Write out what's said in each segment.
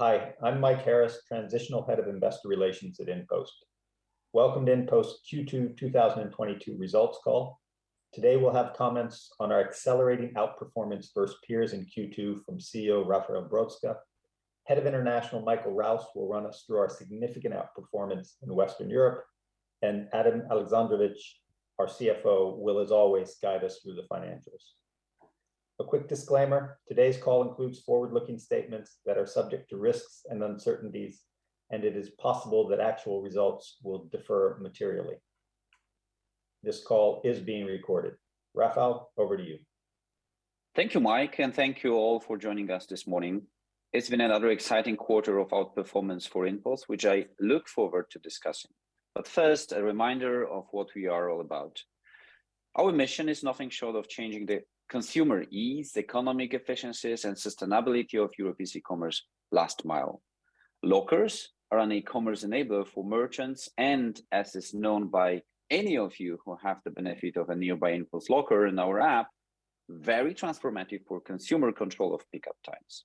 Hi, I'm Mike Harris, Transitional Head of Investor Relations at InPost. Welcome to InPost Q2 2022 results call. Today, we'll have comments on our accelerating outperformance versus peers in Q2 from CEO Rafał Brzoska. Head of International, Michael Rouse, will run us through our significant outperformance in Western Europe. Adam Aleksandrowicz, our CFO, will as always guide us through the financials. A quick disclaimer, today's call includes forward-looking statements that are subject to risks and uncertainties, and it is possible that actual results will differ materially. This call is being recorded. Rafał, over to you. Thank you, Mike, and thank you all for joining us this morning. It's been another exciting quarter of outperformance for InPost, which I look forward to discussing. First, a reminder of what we are all about. Our mission is nothing short of changing the consumer ease, economic efficiencies, and sustainability of Europe's e-commerce last mile. Lockers are an e-commerce enabler for merchants and, as is known by any of you who have the benefit of a nearby InPost locker and our app, very transformative for consumer control of pickup times.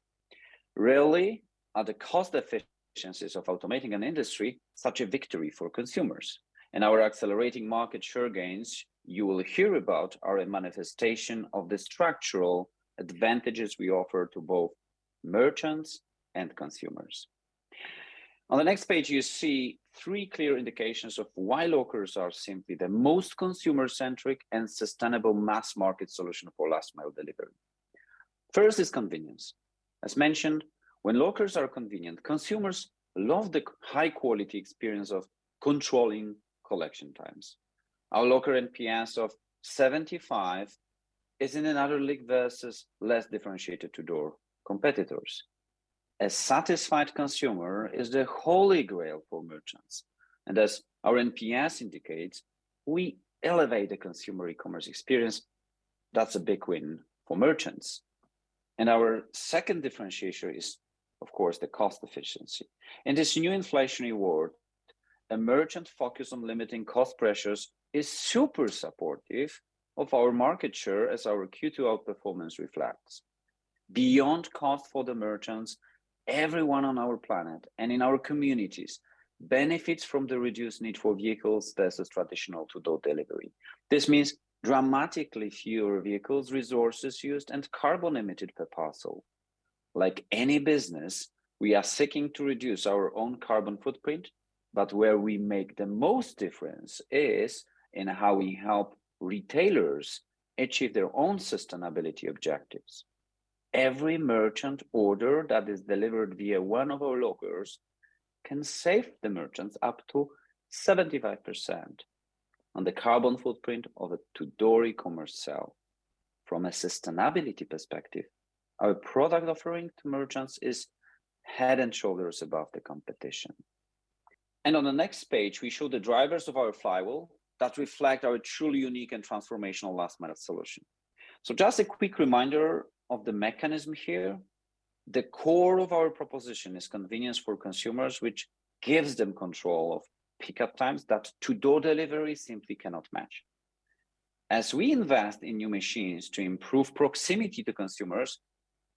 Rarely are the cost efficiencies of automating an industry such a victory for consumers, and our accelerating market share gains you will hear about are a manifestation of the structural advantages we offer to both merchants and consumers. On the next page, you see three clear indications of why lockers are simply the most consumer-centric and sustainable mass market solution for last mile delivery. First is convenience. As mentioned, when lockers are convenient, consumers love the high-quality experience of controlling collection times. Our locker NPS of 75 is in another league versus less differentiated To-door competitors. A satisfied consumer is the holy grail for merchants, and as our NPS indicates, we elevate the consumer e-commerce experience. That's a big win for merchants. Our second differentiator is, of course, the cost efficiency. In this new inflationary world, a merchant focus on limiting cost pressures is super supportive of our market share as our Q2 outperformance reflects. Beyond cost for the merchants, everyone on our planet and in our communities benefits from the reduced need for vehicles versus traditional To-door delivery. This means dramatically fewer vehicles, resources used, and carbon emitted per parcel. Like any business, we are seeking to reduce our own carbon footprint, but where we make the most difference is in how we help retailers achieve their own sustainability objectives. Every merchant order that is delivered via one of our lockers can save the merchants up to 75% on the carbon footprint of a to-door e-commerce sale. From a sustainability perspective, our product offering to merchants is head and shoulders above the competition. On the next page, we show the drivers of our flywheel that reflect our truly unique and transformational last mile solution. Just a quick reminder of the mechanism here. The core of our proposition is convenience for consumers, which gives them control of pickup times that to-door delivery simply cannot match. As we invest in new machines to improve proximity to consumers,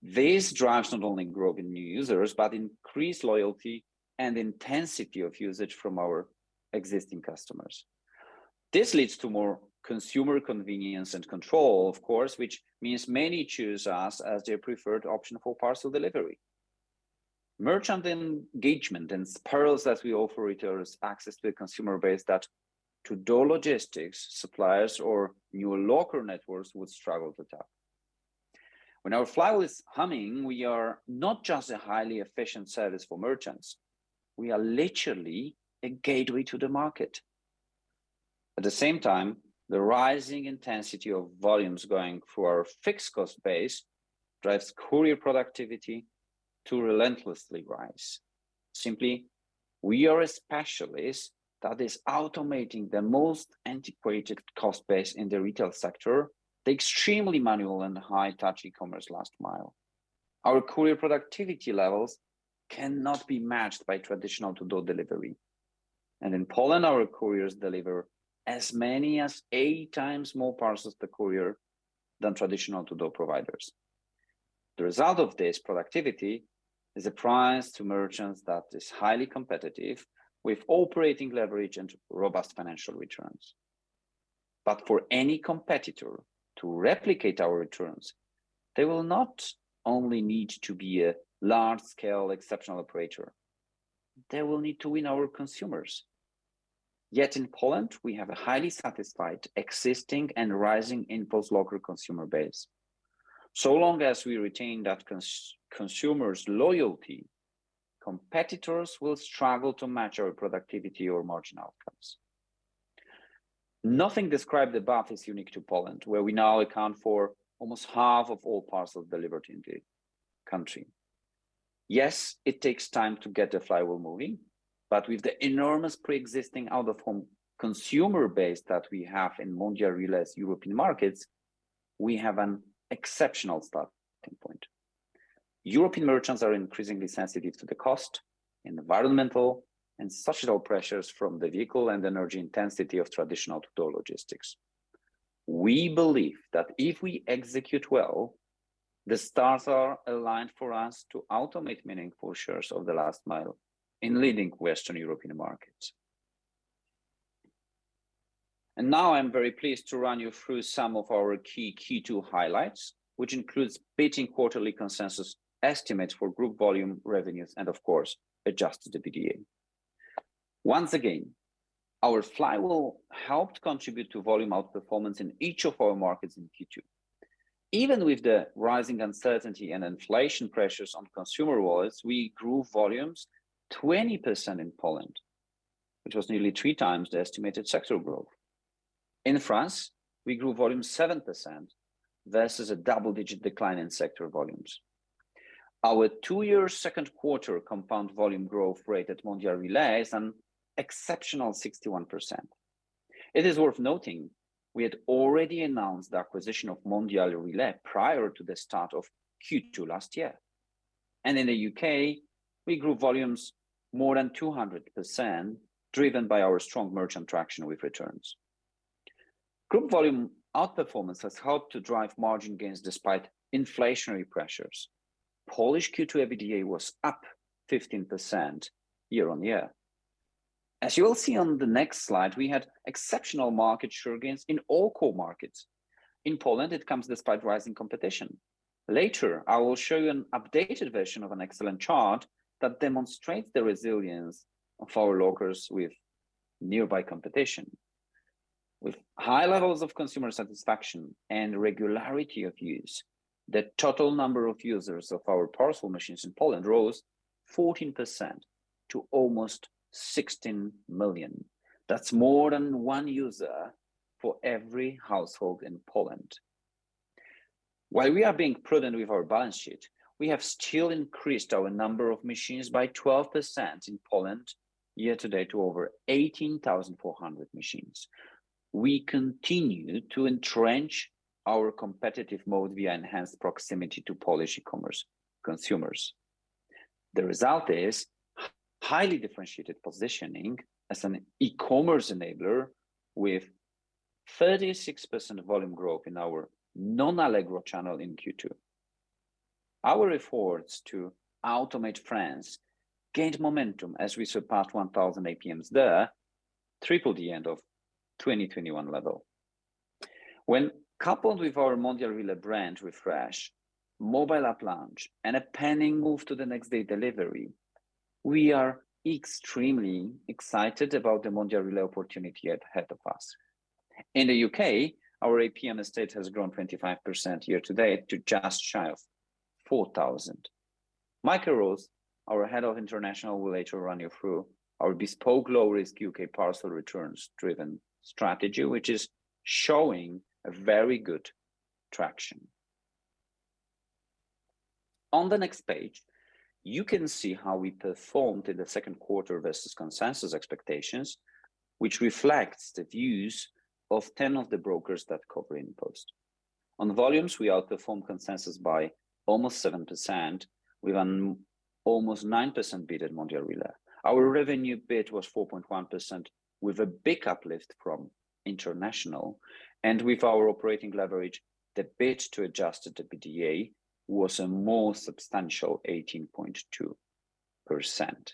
this drives not only growth in new users, but increased loyalty and intensity of usage from our existing customers. This leads to more consumer convenience and control, of course, which means many choose us as their preferred option for parcel delivery. Merchant engagement also spirals as we offer retailers access to a consumer base that To-door logistics suppliers or new locker networks would struggle to tap. When our flywheel is humming, we are not just a highly efficient service for merchants, we are literally a gateway to the market. At the same time, the rising intensity of volumes going through our fixed cost base drives courier productivity to relentlessly rise. Simply, we are a specialist that is automating the most antiquated cost base in the retail sector, the extremely manual and high-touch e-commerce last mile. Our courier productivity levels cannot be matched by traditional To-door delivery. In Poland, our couriers deliver as many as eight times more parcels per courier than traditional To-door providers. The result of this productivity is a price to merchants that is highly competitive with operating leverage and robust financial returns. For any competitor to replicate our returns, they will not only need to be a large-scale exceptional operator, they will need to win our consumers. Yet in Poland, we have a highly satisfied existing and rising InPost locker consumer base. Long as we retain that consumer's loyalty, competitors will struggle to match our productivity or margin outcomes. Nothing described above is unique to Poland, where we now account for almost half of all parcels delivered in the country. Yes, it takes time to get the flywheel moving, but with the enormous pre-existing out-of-home consumer base that we have in Mondial Relay's European markets, we have an exceptional starting point. European merchants are increasingly sensitive to the cost, environmental, and societal pressures from the vehicle and energy intensity of traditional to-door logistics. We believe that if we execute well, the stars are aligned for us to ultimately meaningful shares of the last mile in leading Western European markets. Now I'm very pleased to run you through some of our key Q2 highlights, which includes beating quarterly consensus estimates for group volume revenues and of course, adjusted EBITDA. Once again, our flywheel helped contribute to volume outperformance in each of our markets in Q2. Even with the rising uncertainty and inflation pressures on consumer wallets, we grew volumes 20% in Poland, which was nearly three times the estimated sector growth. In France, we grew volume 7% versus a double-digit decline in sector volumes. Our two-year Q2 compound volume growth rate at Mondial Relay is an exceptional 61%. It is worth noting we had already announced the acquisition of Mondial Relay prior to the start of Q2 last year. In the UK, we grew volumes more than 200%, driven by our strong merchant traction with returns. Group volume outperformance has helped to drive margin gains despite inflationary pressures. Polish Q2 EBITDA was up 15% year-over-year. As you will see on the next slide, we had exceptional market share gains in all core markets. In Poland, it comes despite rising competition. Later, I will show you an updated version of an excellent chart that demonstrates the resilience of our lockers with nearby competition. With high levels of consumer satisfaction and regularity of use, the total number of users of our parcel machines in Poland rose 14% to almost 16 million. That's more than 1 user for every household in Poland. While we are being prudent with our balance sheet, we have still increased our number of machines by 12% in Poland year to date to over 18,400 machines. We continue to entrench our competitive mode via enhanced proximity to Polish e-commerce consumers. The result is highly differentiated positioning as an e-commerce enabler with 36% volume growth in our non-Allegro channel in Q2. Our efforts to automate France gained momentum as we surpassed 1,000 APMs there, triple the end of 2021 level. When coupled with our Mondial Relay brand refresh, mobile app launch, and a pending move to the next day delivery, we are extremely excited about the Mondial Relay opportunity ahead of us. In the UK, our APM estate has grown 25% year to date to just shy of 4,000. Michael Rouse, our Head of International, will later run you through our bespoke low-risk UK parcel returns-driven strategy, which is showing a very good traction. On the next page, you can see how we performed in the Q2 versus consensus expectations, which reflects the views of 10 of the brokers that cover InPost. On volumes, we outperformed consensus by almost 7% with an almost 9% beat at Mondial Relay. Our revenue beat was 4.1% with a big uplift from international. With our operating leverage, the beat to adjusted EBITDA was a more substantial 18.2%.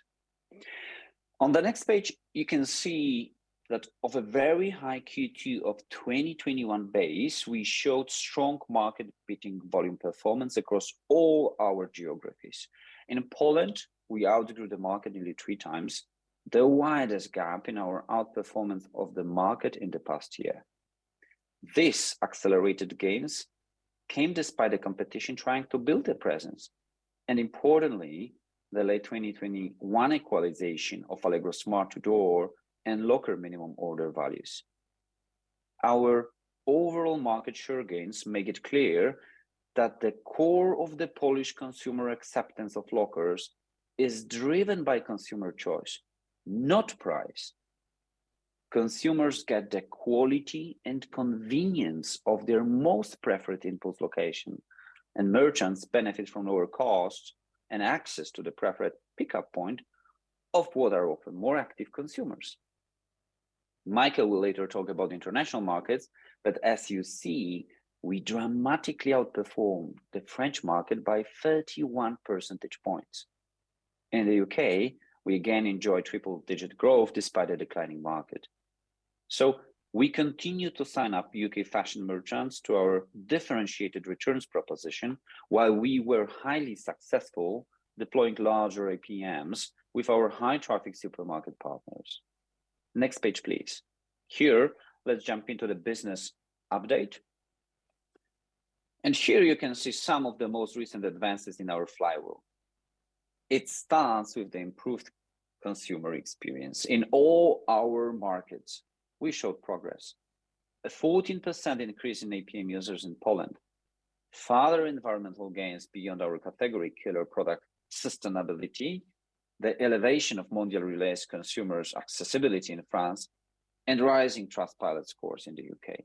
On the next page, you can see that of a very high Q2 of 2021 base, we showed strong market-beating volume performance across all our geographies. In Poland, we outgrew the market nearly three times, the widest gap in our outperformance of the market in the past year. These accelerated gains came despite the competition trying to build a presence, and importantly, the late 2021 equalization of Allegro Smart! door and locker minimum order values. Our overall market share gains make it clear that the core of the Polish consumer acceptance of lockers is driven by consumer choice, not price. Consumers get the quality and convenience of their most preferred InPost location, and merchants benefit from lower costs and access to the preferred pickup point of what are often more active consumers. Michael will later talk about international markets, but as you see, we dramatically outperformed the French market by 31 percentage points. In the U.K., we again enjoy triple-digit growth despite a declining market. We continue to sign up U.K. fashion merchants to our differentiated returns proposition while we were highly successful deploying larger APMs with our high-traffic supermarket partners. Next page, please. Here, let's jump into the business update. Here you can see some of the most recent advances in our flywheel. It starts with the improved consumer experience. In all our markets, we showed progress. A 14% increase in APM users in Poland, further environmental gains beyond our category killer product sustainability, the elevation of Mondial Relay's consumers accessibility in France, and rising Trustpilot scores in the UK.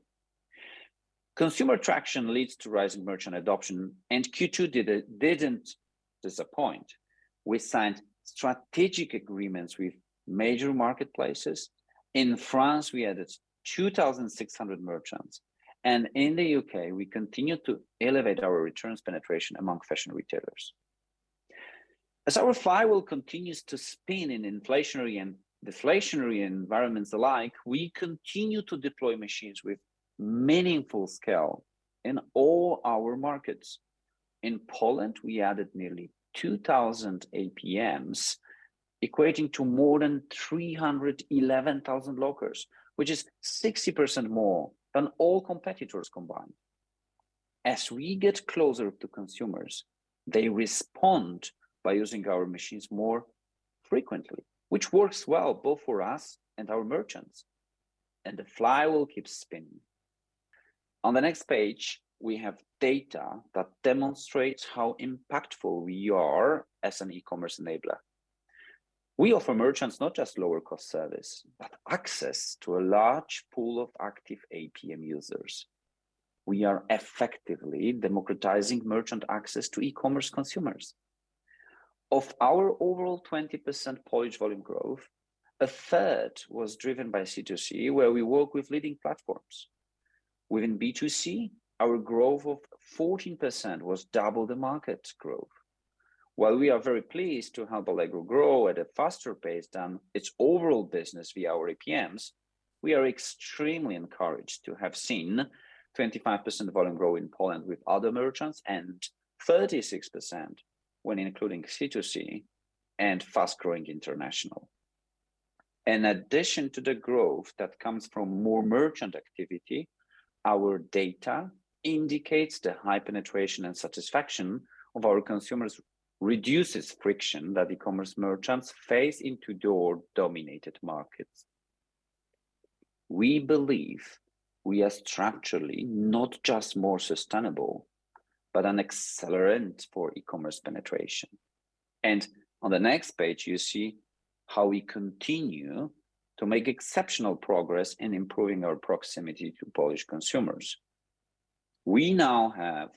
Consumer traction leads to rising merchant adoption, and Q2 didn't disappoint. We signed strategic agreements with major marketplaces. In France, we added 2,600 merchants, and in the UK, we continued to elevate our returns penetration among fashion retailers. As our flywheel continues to spin in inflationary and deflationary environments alike, we continue to deploy machines with meaningful scale in all our markets. In Poland, we added nearly 2,000 APMs, equating to more than 311,000 lockers, which is 60% more than all competitors combined. As we get closer to consumers, they respond by using our machines more frequently, which works well both for us and our merchants, and the flywheel keeps spinning. On the next page, we have data that demonstrates how impactful we are as an e-commerce enabler. We offer merchants not just lower cost service, but access to a large pool of active APM users. We are effectively democratizing merchant access to e-commerce consumers. Of our overall 20% Polish volume growth, a third was driven by C2C, where we work with leading platforms. Within B2C, our growth of 14% was double the market's growth. While we are very pleased to help Allegro grow at a faster pace than its overall business via our APMs, we are extremely encouraged to have seen 25% volume growth in Poland with other merchants, and 36% when including C2C and fast-growing international. In addition to the growth that comes from more merchant activity, our data indicates the high penetration and satisfaction of our consumers reduces friction that e-commerce merchants face in to-door dominated markets. We believe we are structurally not just more sustainable, but an accelerant for e-commerce penetration. On the next page, you see how we continue to make exceptional progress in improving our proximity to Polish consumers. We now have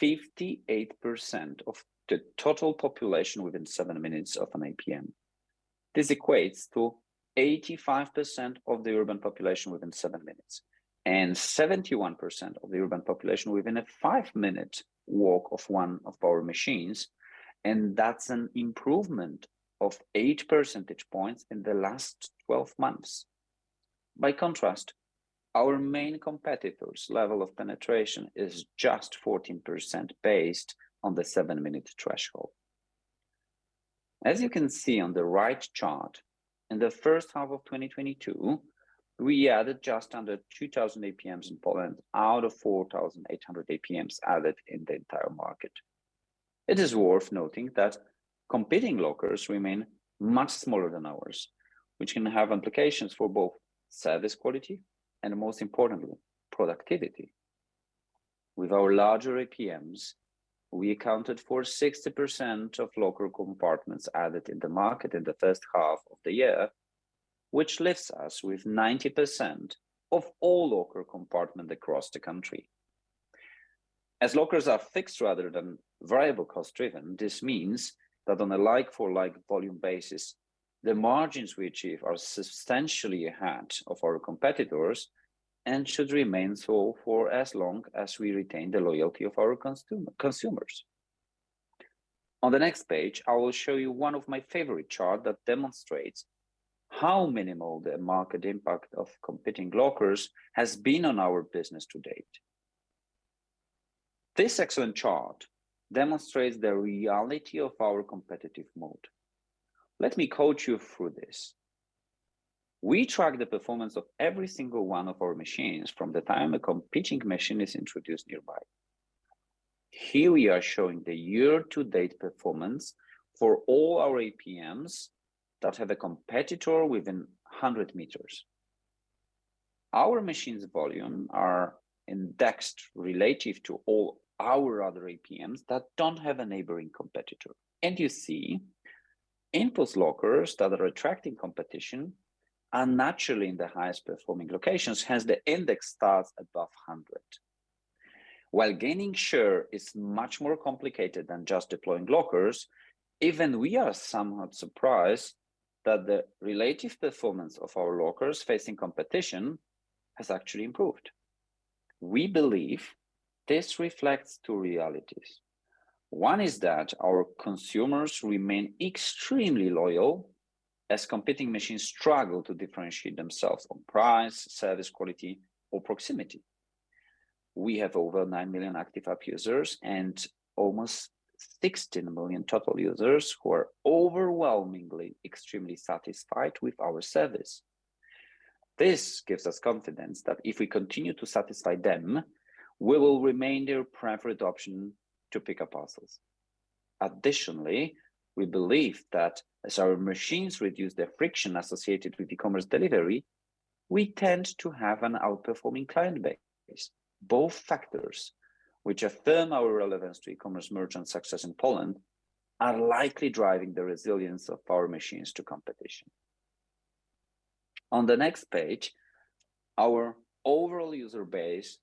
58% of the total population within 7 minutes of an APM. This equates to 85% of the urban population within 7 minutes, and 71% of the urban population within a 5-minute walk of one of our machines, and that's an improvement of 8 percentage points in the last 12 months. By contrast, our main competitor's level of penetration is just 14% based on the 7-minute threshold. As you can see on the right chart, in the first half of 2022, we added just under 2,000 APMs in Poland out of 4,800 APMs added in the entire market. It is worth noting that competing lockers remain much smaller than ours, which can have implications for both service quality and, most importantly, productivity. With our larger APMs, we accounted for 60% of locker compartments added in the market in the first half of the year, which leaves us with 90% of all locker compartments across the country. As lockers are fixed rather than variable cost-driven, this means that on a like for like volume basis, the margins we achieve are substantially ahead of our competitors and should remain so for as long as we retain the loyalty of our consumers. On the next page, I will show you one of my favorite chart that demonstrates how minimal the market impact of competing lockers has been on our business to date. This excellent chart demonstrates the reality of our competitive moat. Let me walk you through this. We track the performance of every single one of our machines from the time a competing machine is introduced nearby. Here we are showing the year-to-date performance for all our APMs that have a competitor within 100 meters. Our machines' volume are indexed relative to all our other APMs that don't have a neighboring competitor. You see InPost lockers that are attracting competition are naturally in the highest performing locations, hence the index starts above 100. While gaining share is much more complicated than just deploying lockers, even we are somewhat surprised that the relative performance of our lockers facing competition has actually improved. We believe this reflects two realities. One is that our consumers remain extremely loyal as competing machines struggle to differentiate themselves on price, service quality or proximity. We have over 9 million active app users and almost 16 million total users who are overwhelmingly extremely satisfied with our service. This gives us confidence that if we continue to satisfy them, we will remain their preferred option to pick up parcels. Additionally, we believe that as our machines reduce the friction associated with e-commerce delivery, we tend to have an outperforming client base. Both factors, which affirm our relevance to e-commerce merchant success in Poland, are likely driving the resilience of our machines to competition. On the next page, our overall user base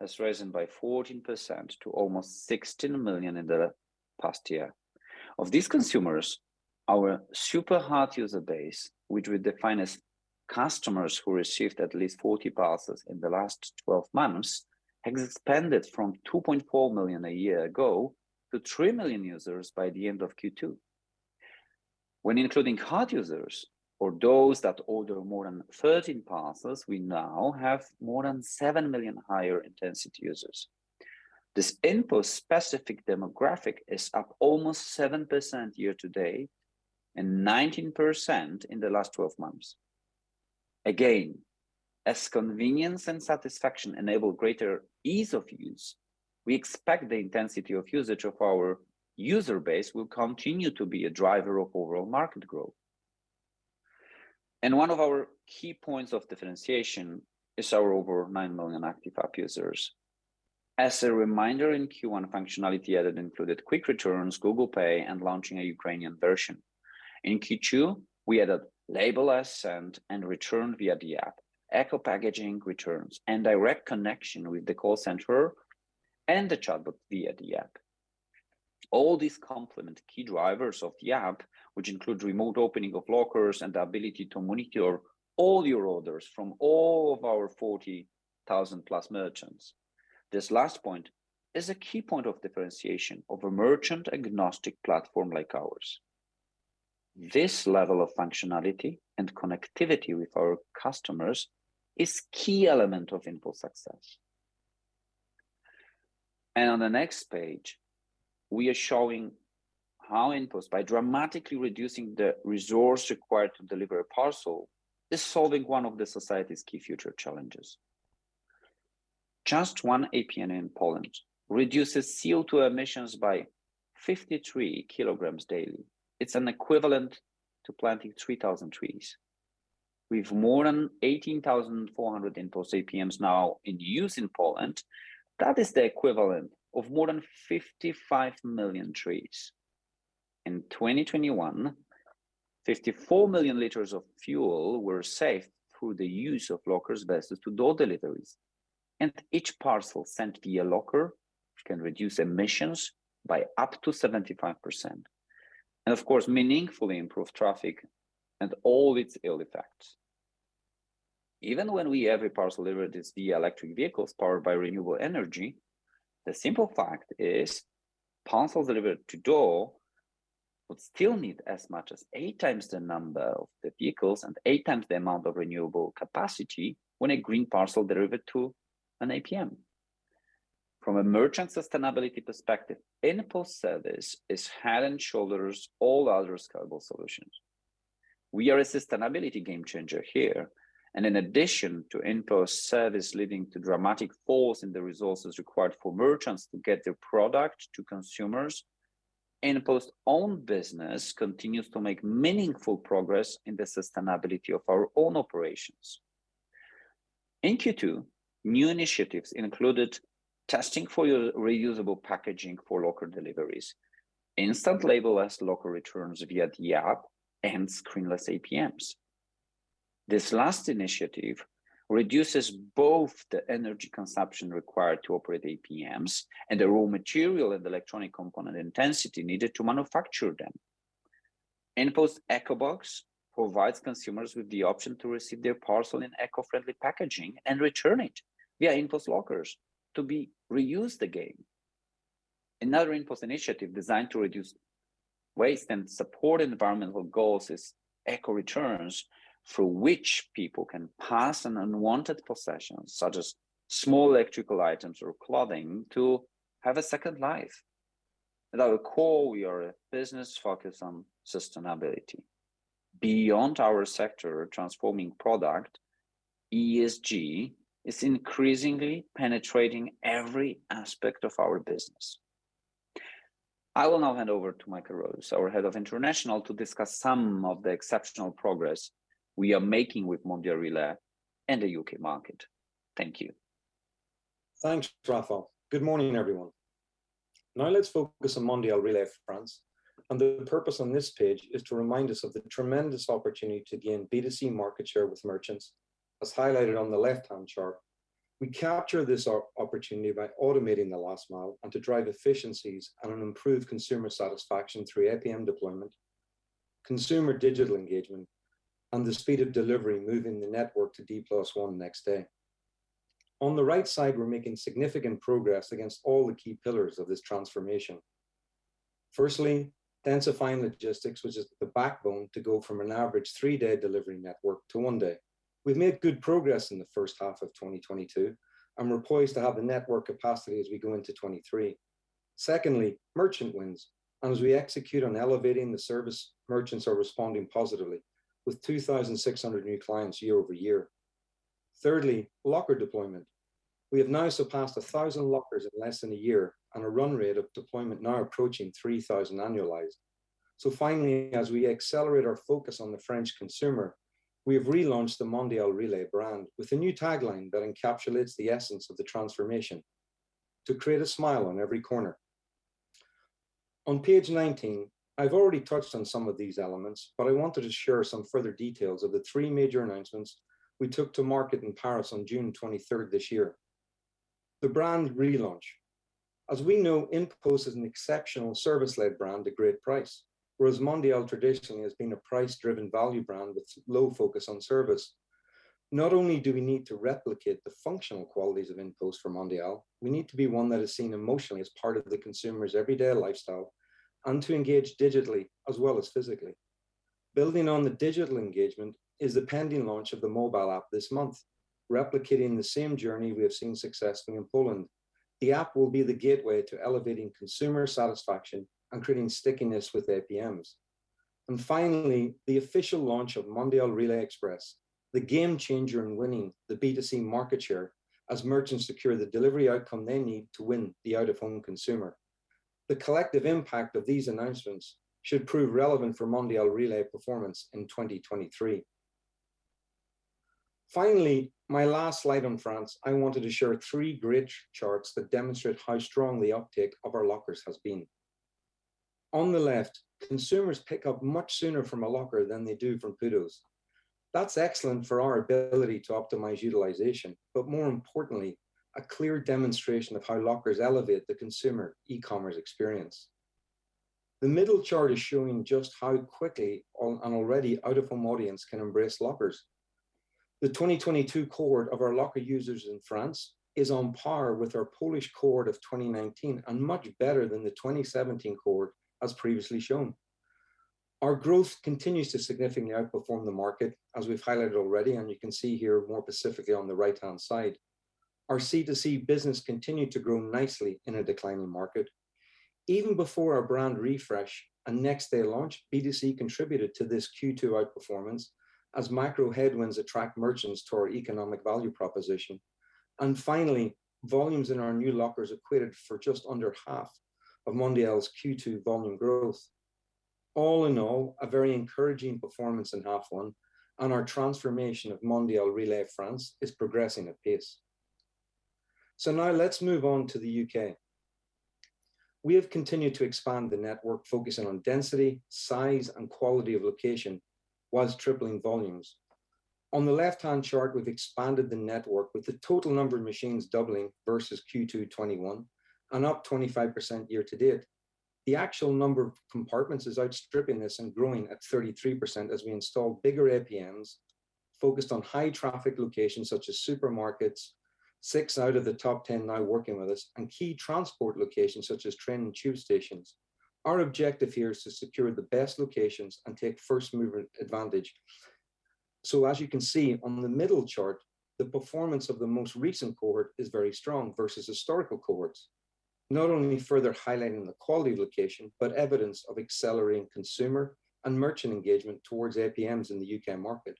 has risen by 14% to almost 16 million in the past year. Of these consumers, our super hard user base, which we define as customers who received at least 40 parcels in the last twelve months, expanded from 2.4 million a year ago to 3 million users by the end of Q2. When including hard users or those that order more than 13 parcels, we now have more than 7 million higher intensity users. This InPost-specific demographic is up almost 7% year to date and 19% in the last twelve months. Again, as convenience and satisfaction enable greater ease of use, we expect the intensity of usage of our user base will continue to be a driver of overall market growth. One of our key points of differentiation is our over 9 million active app users. As a reminder, in Q1 functionality added included quick returns, Google Pay, and launching a Ukrainian version. In Q2, we added labelless end and return via the app, eco-packaging returns, and direct connection with the call center and the chatbot via the app. All these complement key drivers of the app, which include remote opening of lockers and the ability to monitor all your orders from all of our 40,000+ merchants. This last point is a key point of differentiation of a merchant-agnostic platform like ours. This level of functionality and connectivity with our customers is key element of InPost success. On the next page, we are showing how InPost, by dramatically reducing the resource required to deliver a parcel, is solving one of the society's key future challenges. Just one APM in Poland reduces CO2 emissions by 53 kilograms daily. It's an equivalent to planting 3,000 trees. With more than 18,400 InPost APMs now in use in Poland, that is the equivalent of more than 55 million trees. In 2021, 54 million liters of fuel were saved through the use of lockers versus to-door deliveries. Each parcel sent via locker can reduce emissions by up to 75%, and of course, meaningfully improve traffic and all its ill effects. Even when we have a parcel delivered via electric vehicles powered by renewable energy, the simple fact is, parcels delivered To-door would still need as much as 8 times the number of the vehicles and 8 times the amount of renewable capacity when a green parcel delivered to an APM. From a merchant sustainability perspective, InPost service is head and shoulders above all other scalable solutions. We are a sustainability game changer here, and in addition to InPost service leading to dramatic falls in the resources required for merchants to get their product to consumers, InPost own business continues to make meaningful progress in the sustainability of our own operations. In Q2, new initiatives included testing for reusable packaging for locker deliveries, instant label-less locker returns via the app, and screen-less APMs. This last initiative reduces both the energy consumption required to operate APMs and the raw material and electronic component intensity needed to manufacture them. InPost EkoBox provides consumers with the option to receive their parcel in eco-friendly packaging and return it via InPost lockers to be reused again. Another InPost initiative designed to reduce waste and support environmental goals is eco returns, through which people can pass an unwanted possession, such as small electrical items or clothing, to have a second life. At our core, we are a business focused on sustainability. Beyond our sector transforming product, ESG is increasingly penetrating every aspect of our business. I will now hand over to Michael Rouse, our Head of International, to discuss some of the exceptional progress we are making with Mondial Relay and the UK market. Thank you. Thanks, Rafał. Good morning, everyone. Now let's focus on Mondial Relay France, and the purpose on this page is to remind us of the tremendous opportunity to gain B2C market share with merchants, as highlighted on the left-hand chart. We capture this opportunity by automating the last mile and to drive efficiencies and improve consumer satisfaction through APM deployment, consumer digital engagement, and the speed of delivery, moving the network to D+1 next-day. On the right side, we're making significant progress against all the key pillars of this transformation. Firstly, densifying logistics, which is the backbone to go from an average three-day delivery network to one-day. We've made good progress in the first half of 2022, and we're poised to have the network capacity as we go into 2023. Secondly, merchant wins. As we execute on elevating the service, merchants are responding positively with 2,600 new clients year-over-year. Thirdly, locker deployment. We have now surpassed 1,000 lockers in less than a year on a run rate of deployment now approaching 3,000 annualized. Finally, as we accelerate our focus on the French consumer, we have relaunched the Mondial Relay brand with a new tagline that encapsulates the essence of the transformation to create a smile on every corner. On page 19, I've already touched on some of these elements, but I wanted to share some further details of the three major announcements we took to market in Paris on June 23rd this year. The brand relaunch. As we know, InPost is an exceptional service-led brand at great price. Whereas Mondial traditionally has been a price-driven value brand with low focus on service. Not only do we need to replicate the functional qualities of InPost for Mondial, we need to be one that is seen emotionally as part of the consumer's everyday lifestyle and to engage digitally as well as physically. Building on the digital engagement is the pending launch of the mobile app this month, replicating the same journey we have seen successfully in Poland. The app will be the gateway to elevating consumer satisfaction and creating stickiness with APMs. Finally, the official launch of Mondial Relay Express, the game changer in winning the B2C market share as merchants secure the delivery outcome they need to win the out-of-home consumer. The collective impact of these announcements should prove relevant for Mondial Relay performance in 2023. Finally, my last slide on France, I wanted to share three bridge charts that demonstrate how strong the uptake of our lockers has been. On the left, consumers pick up much sooner from a locker than they do from couriers. That's excellent for our ability to optimize utilization, but more importantly, a clear demonstration of how lockers elevate the consumer e-commerce experience. The middle chart is showing just how quickly an already out-of-home audience can embrace lockers. The 2022 cohort of our locker users in France is on par with our Polish cohort of 2019 and much better than the 2017 cohort as previously shown. Our growth continues to significantly outperform the market, as we've highlighted already, and you can see here more specifically on the right-hand side. Our C2C business continued to grow nicely in a declining market. Even before our brand refresh and next day launch, B2C contributed to this Q2 outperformance as macro headwinds attract merchants to our economic value proposition. Finally, volumes in our new lockers equated for just under half of Mondial Relay's Q2 volume growth. All in all, a very encouraging performance in half one and our transformation of Mondial Relay France is progressing at pace. Now let's move on to the UK. We have continued to expand the network, focusing on density, size, and quality of location while tripling volumes. On the left-hand chart, we've expanded the network with the total number of machines doubling versus Q2 2021 and up 25% year to date. The actual number of compartments is outstripping this and growing at 33% as we install bigger APMs focused on high traffic locations such as supermarkets. Six out of the top 10 now working with us in key transport locations such as train and tube stations. Our objective here is to secure the best locations and take first mover advantage. As you can see on the middle chart, the performance of the most recent cohort is very strong versus historical cohorts, not only further highlighting the quality of location, but evidence of accelerating consumer and merchant engagement towards APMs in the UK market.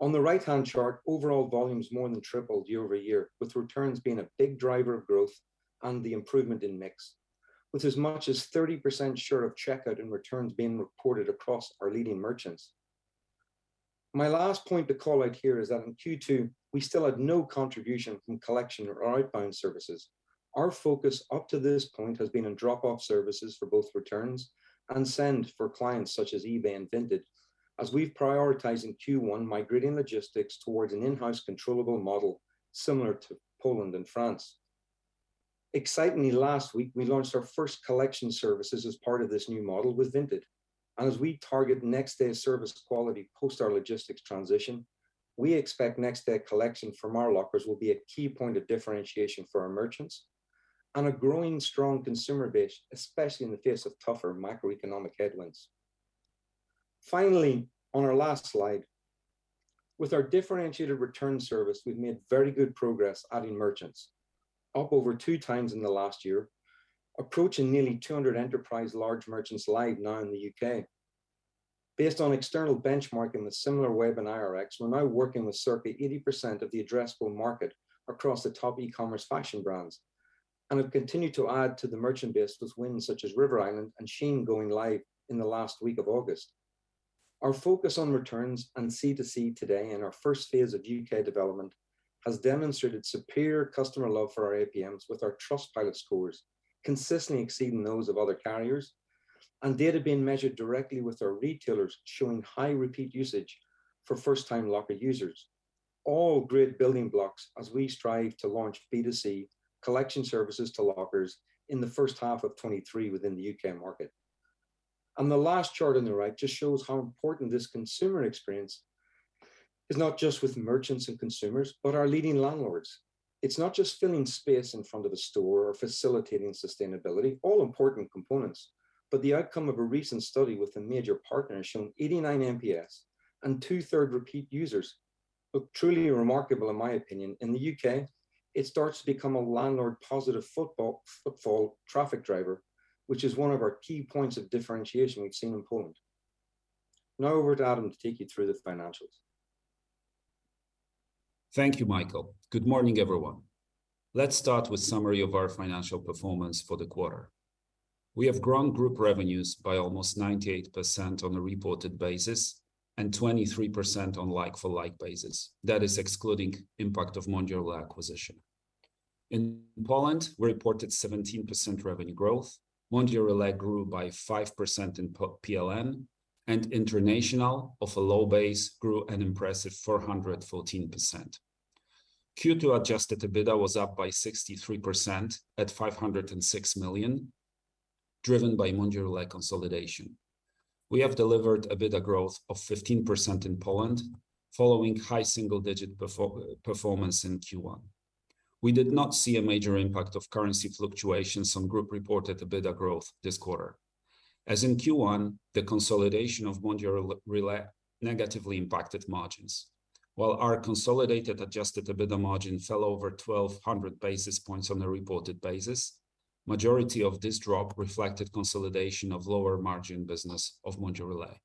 On the right-hand chart, overall volumes more than tripled year-over-year, with returns being a big driver of growth and the improvement in mix, with as much as 30% share of checkout and returns being reported across our leading merchants. My last point to call out here is that in Q2, we still had no contribution from collection or outbound services. Our focus up to this point has been on drop off services for both returns and send for clients such as eBay and Vinted, as we've prioritized in Q1 migrating logistics towards an in-house controllable model similar to Poland and France. Excitingly last week, we launched our first collection services as part of this new model with Vinted. As we target next day service quality post our logistics transition, we expect next day collection from our lockers will be a key point of differentiation for our merchants and a growing strong consumer base, especially in the face of tougher macroeconomic headwinds. Finally, on our last slide. With our differentiated return service, we've made very good progress adding merchants, up over 2x in the last year, approaching nearly 200 enterprise large merchants live now in the UK. Based on external benchmarking with Similarweb and IRX, we're now working with circa 80% of the addressable market across the top e-commerce fashion brands and have continued to add to the merchant base with wins such as River Island and SHEIN going live in the last week of August. Our focus on returns and C2C today in our first phase of UK development has demonstrated superior customer love for our APMs with our Trustpilot scores consistently exceeding those of other carriers and data being measured directly with our retailers showing high repeat usage for first-time locker users. All great building blocks as we strive to launch B2C collection services to lockers in the first half of 2023 within the UK market. The last chart on the right just shows how important this consumer experience is not just with merchants and consumers, but our leading landlords. It's not just filling space in front of the store or facilitating sustainability, all important components, but the outcome of a recent study with a major partner has shown 89 NPS and two-thirds repeat users look truly remarkable in my opinion. In the UK, it starts to become a landlord positive footfall traffic driver, which is one of our key points of differentiation we've seen in Poland. Now over to Adam to take you through the financials. Thank you, Michael. Good morning, everyone. Let's start with summary of our financial performance for the quarter. We have grown group revenues by almost 98% on a reported basis and 23% on like-for-like basis. That is excluding impact of Mondial Relay acquisition. In Poland, we reported 17% revenue growth. Mondial Relay grew by 5% in PLN, and International, off a low base, grew an impressive 414%. Q2 adjusted EBITDA was up by 63% at 506 million, driven by Mondial Relay consolidation. We have delivered an EBITDA growth of 15% in Poland, following high single-digit performance in Q1. We did not see a major impact of currency fluctuations on group-reported EBITDA growth this quarter. As in Q1, the consolidation of Mondial Relay negatively impacted margins. While our consolidated adjusted EBITDA margin fell over 1,200 basis points on a reported basis, majority of this drop reflected consolidation of lower margin business of Mondial Relay.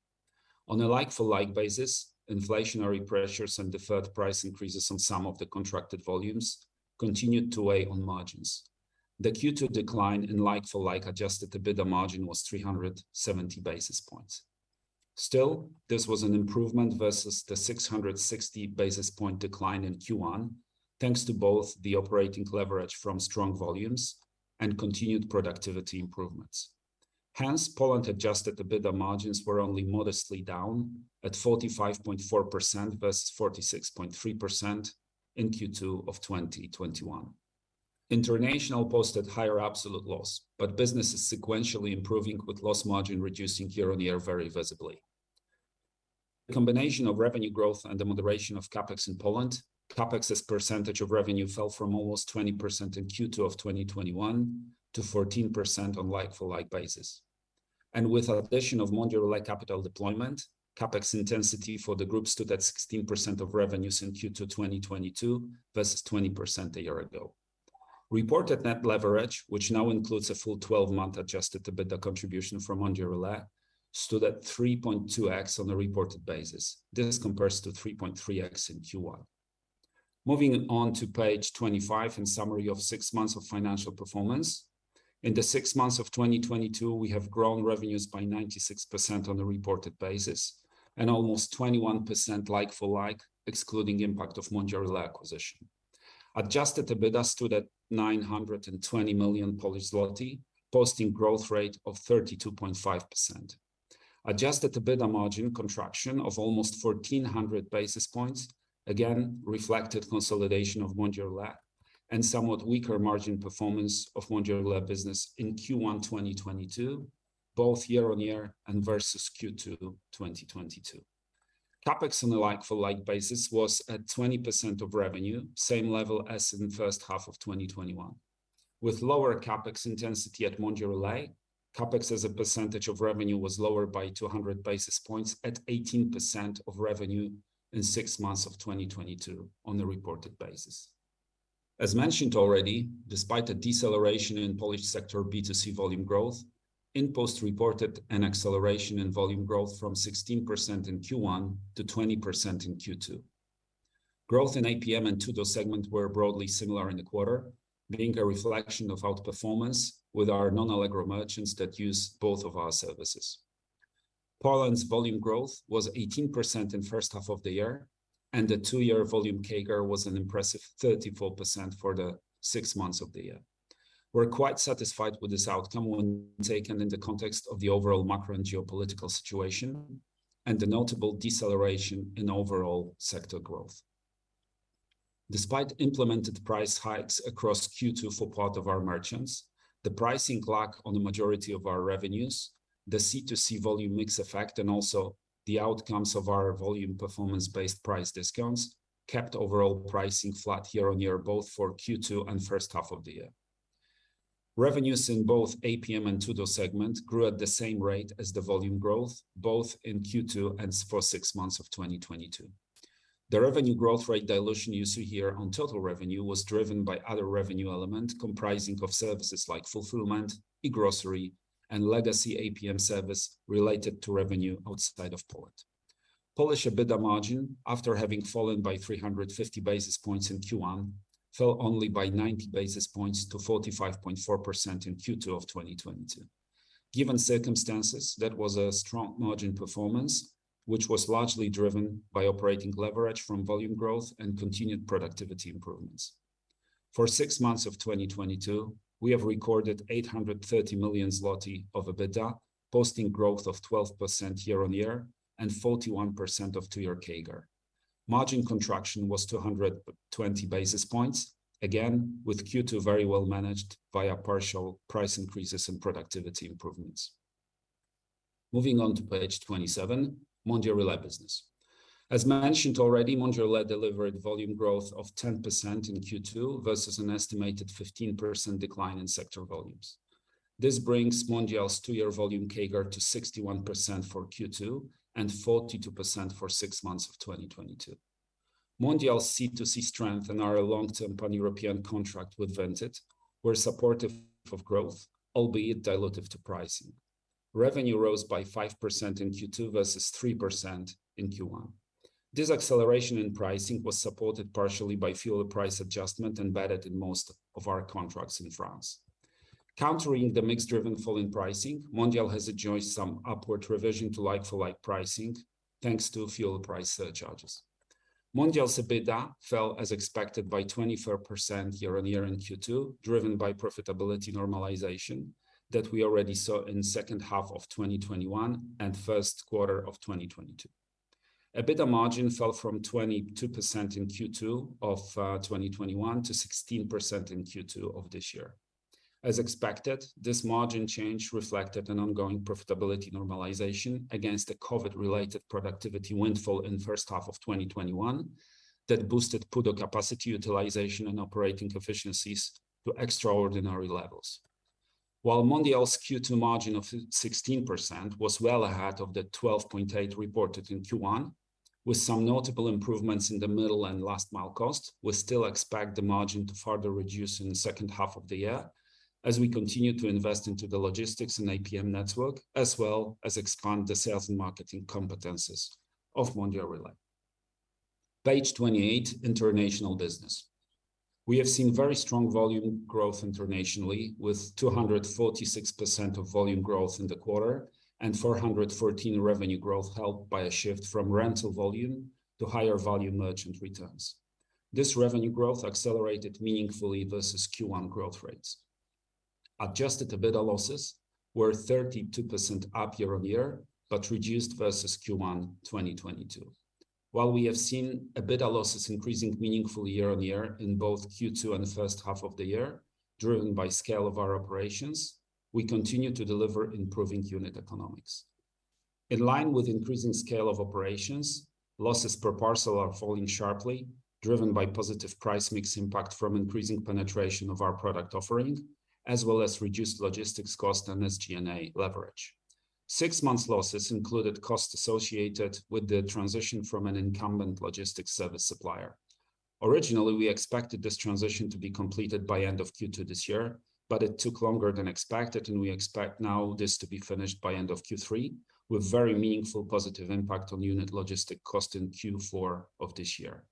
On a like-for-like basis, inflationary pressures and deferred price increases on some of the contracted volumes continued to weigh on margins. The Q2 decline in like-for-like adjusted EBITDA margin was 370 basis points. Still, this was an improvement versus the 660 basis point decline in Q1, thanks to both the operating leverage from strong volumes and continued productivity improvements. Hence, Poland's adjusted EBITDA margins were only modestly down at 45.4% versus 46.3% in Q2 of 2021. International's posted higher absolute loss, but business is sequentially improving with loss margin reducing year-on-year very visibly. A combination of revenue growth and the moderation of CapEx in Poland, CapEx as percentage of revenue fell from almost 20% in Q2 of 2021 to 14% on like-for-like basis. With addition of Mondial Relay capital deployment, CapEx intensity for the group stood at 16% of revenues in Q2 2022 versus 20% a year ago. Reported net leverage, which now includes a full twelve-month adjusted EBITDA contribution from Mondial Relay, stood at 3.2x on a reported basis. This compares to 3.3x in Q1. Moving on to page 25, in summary of six months of financial performance. In the six months of 2022, we have grown revenues by 96% on a reported basis, and almost 21% like for like, excluding impact of Mondial Relay acquisition. Adjusted EBITDA stood at 920 million Polish zloty, posting growth rate of 32.5%. Adjusted EBITDA margin contraction of almost 1,400 basis points, again reflected consolidation of Mondial Relay and somewhat weaker margin performance of Mondial Relay business in Q1 2022, both year-on-year and versus Q2 2022. CapEx on a like-for-like basis was at 20% of revenue, same level as in the first half of 2021. With lower CapEx intensity at Mondial Relay, CapEx as a percentage of revenue was lower by 200 basis points at 18% of revenue in six months of 2022 on a reported basis. As mentioned already, despite a deceleration in Polish sector B2C volume growth, InPost reported an acceleration in volume growth from 16% in Q1 to 20% in Q2. Growth in APM and To-door segment were broadly similar in the quarter, being a reflection of outperformance with our non-Allegro merchants that use both of our services. Poland's volume growth was 18% in first half of the year, and the two-year volume CAGR was an impressive 34% for the six months of the year. We're quite satisfied with this outcome when taken in the context of the overall macro and geopolitical situation and the notable deceleration in overall sector growth. Despite implemented price hikes across Q2 for part of our merchants, the pricing lag on the majority of our revenues, the C2C volume mix effect, and also the outcomes of our volume performance-based price discounts kept overall pricing flat year-on-year, both for Q2 and first half of the year. Revenues in both APM and To-door segment grew at the same rate as the volume growth, both in Q2 and for six months of 2022. The revenue growth rate dilution you see here on total revenue was driven by other revenue element comprising of services like fulfillment, eGrocery, and legacy APM service related to revenue outside of Poland. Polish EBITDA margin, after having fallen by 350 basis points in Q1, fell only by 90 basis points to 45.4% in Q2 of 2022. Given circumstances, that was a strong margin performance, which was largely driven by operating leverage from volume growth and continued productivity improvements. For six months of 2022, we have recorded 830 million zloty of EBITDA, posting growth of 12% year-on-year and 41% two-year CAGR. Margin contraction was 220 basis points, again with Q2 very well managed via partial price increases and productivity improvements. Moving on to page 27, Mondial Relay business. As mentioned already, Mondial Relay delivered volume growth of 10% in Q2 versus an estimated 15% decline in sector volumes. This brings Mondial's two-year volume CAGR to 61% for Q2 and 42% for six months of 2022. Mondial's C2C strength and our long-term pan-European contract with Veepee were supportive of growth, albeit dilutive to pricing. Revenue rose by 5% in Q2 versus 3% in Q1. This acceleration in pricing was supported partially by fuel price adjustment embedded in most of our contracts in France. Countering the mix-driven fall in pricing, Mondial has enjoyed some upward revision to like-for-like pricing, thanks to fuel price surcharges. Mondial Relay's EBITDA fell as expected by 24% year on year in Q2, driven by profitability normalization that we already saw in second half of 2021 and Q1 of 2022. EBITDA margin fell from 22% in Q2 of 2021 to 16% in Q2 of this year. As expected, this margin change reflected an ongoing profitability normalization against the COVID-related productivity windfall in first half of 2021 that boosted PUDO capacity utilization and operating efficiencies to extraordinary levels. While Mondial Relay's Q2 margin of 16% was well ahead of the 12.8% reported in Q1, with some notable improvements in the middle and last mile cost, we still expect the margin to further reduce in the second half of the year as we continue to invest into the logistics and APM network, as well as expand the sales and marketing competencies of Mondial Relay. Page 28, international business. We have seen very strong volume growth internationally, with 246% volume growth in the quarter and 414% revenue growth helped by a shift from rental volume to higher volume merchant returns. This revenue growth accelerated meaningfully versus Q1 growth rates. Adjusted EBITDA losses were 32% up year-over-year, but reduced versus Q1 2022. While we have seen EBITDA losses increasing meaningfully year-over-year in both Q2 and the first half of the year, driven by scale of our operations, we continue to deliver improving unit economics. In line with increasing scale of operations, losses per parcel are falling sharply, driven by positive price mix impact from increasing penetration of our product offering, as well as reduced logistics cost and SG&A leverage. Six months losses included costs associated with the transition from an incumbent logistics service supplier. Originally, we expected this transition to be completed by end of Q2 this year, but it took longer than expected, and we expect now this to be finished by end of Q3, with very meaningful positive impact on unit logistic cost in Q4 of this year.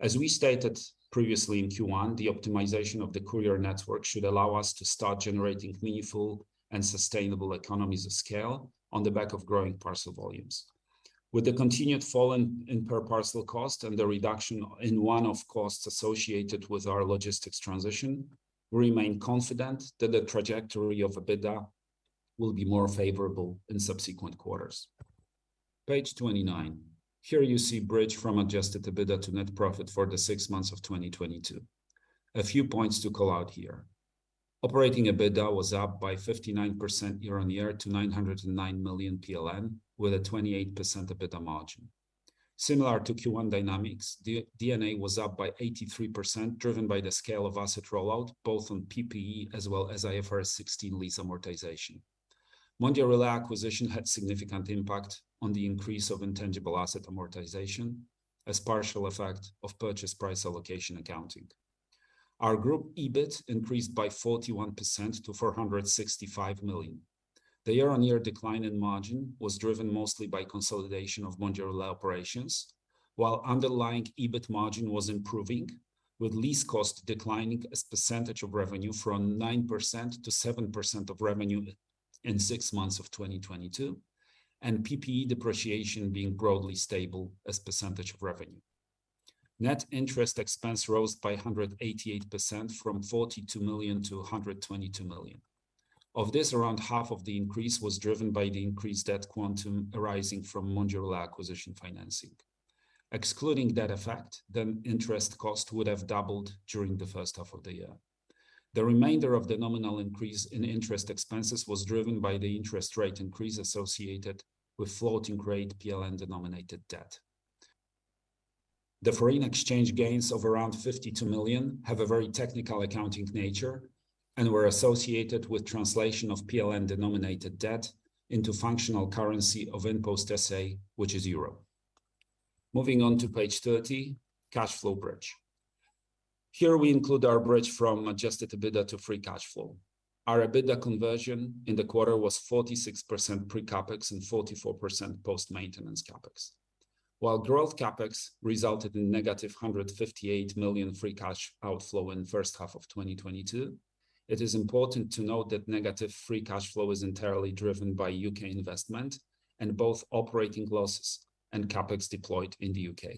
As we stated previously in Q1, the optimization of the courier network should allow us to start generating meaningful and sustainable economies of scale on the back of growing parcel volumes. With the continued fall in per parcel cost and the reduction in one-off costs associated with our logistics transition, we remain confident that the trajectory of EBITDA will be more favorable in subsequent quarters. Page 29. Here you see bridge from adjusted EBITDA to net profit for the six months of 2022. A few points to call out here. Operating EBITDA was up by 59% year-on-year to 909 million PLN, with a 28% EBITDA margin. Similar to Q1 dynamics, D&A was up by 83%, driven by the scale of asset rollout, both on PPE as well as IFRS 16 lease amortization. Mondial Relay acquisition had significant impact on the increase of intangible asset amortization as partial effect of purchase price allocation accounting. Our group EBIT increased by 41% to 465 million. The year-on-year decline in margin was driven mostly by consolidation of Mondial Relay operations, while underlying EBIT margin was improving, with lease cost declining as percentage of revenue from 9% to 7% of revenue in six months of 2022, and PPE depreciation being broadly stable as percentage of revenue. Net interest expense rose by 188% from 42 million to 122 million. Of this, around half of the increase was driven by the increased debt quantum arising from Mondial Relay acquisition financing. Excluding that effect, the interest cost would have doubled during the first half of the year. The remainder of the nominal increase in interest expenses was driven by the interest rate increase associated with floating rate PLN-denominated debt. The foreign exchange gains of around 52 million have a very technical accounting nature and were associated with translation of PLN-denominated debt into functional currency of InPost S.A., which is euro. Moving on to page 30, cash flow bridge. Here we include our bridge from adjusted EBITDA to free cash flow. Our EBITDA conversion in the quarter was 46% pre-CapEx and 44% post-maintenance CapEx. While growth CapEx resulted in negative 158 million free cash outflow in the first half of 2022, it is important to note that negative free cash flow is entirely driven by UK investment and both operating losses and CapEx deployed in the UK.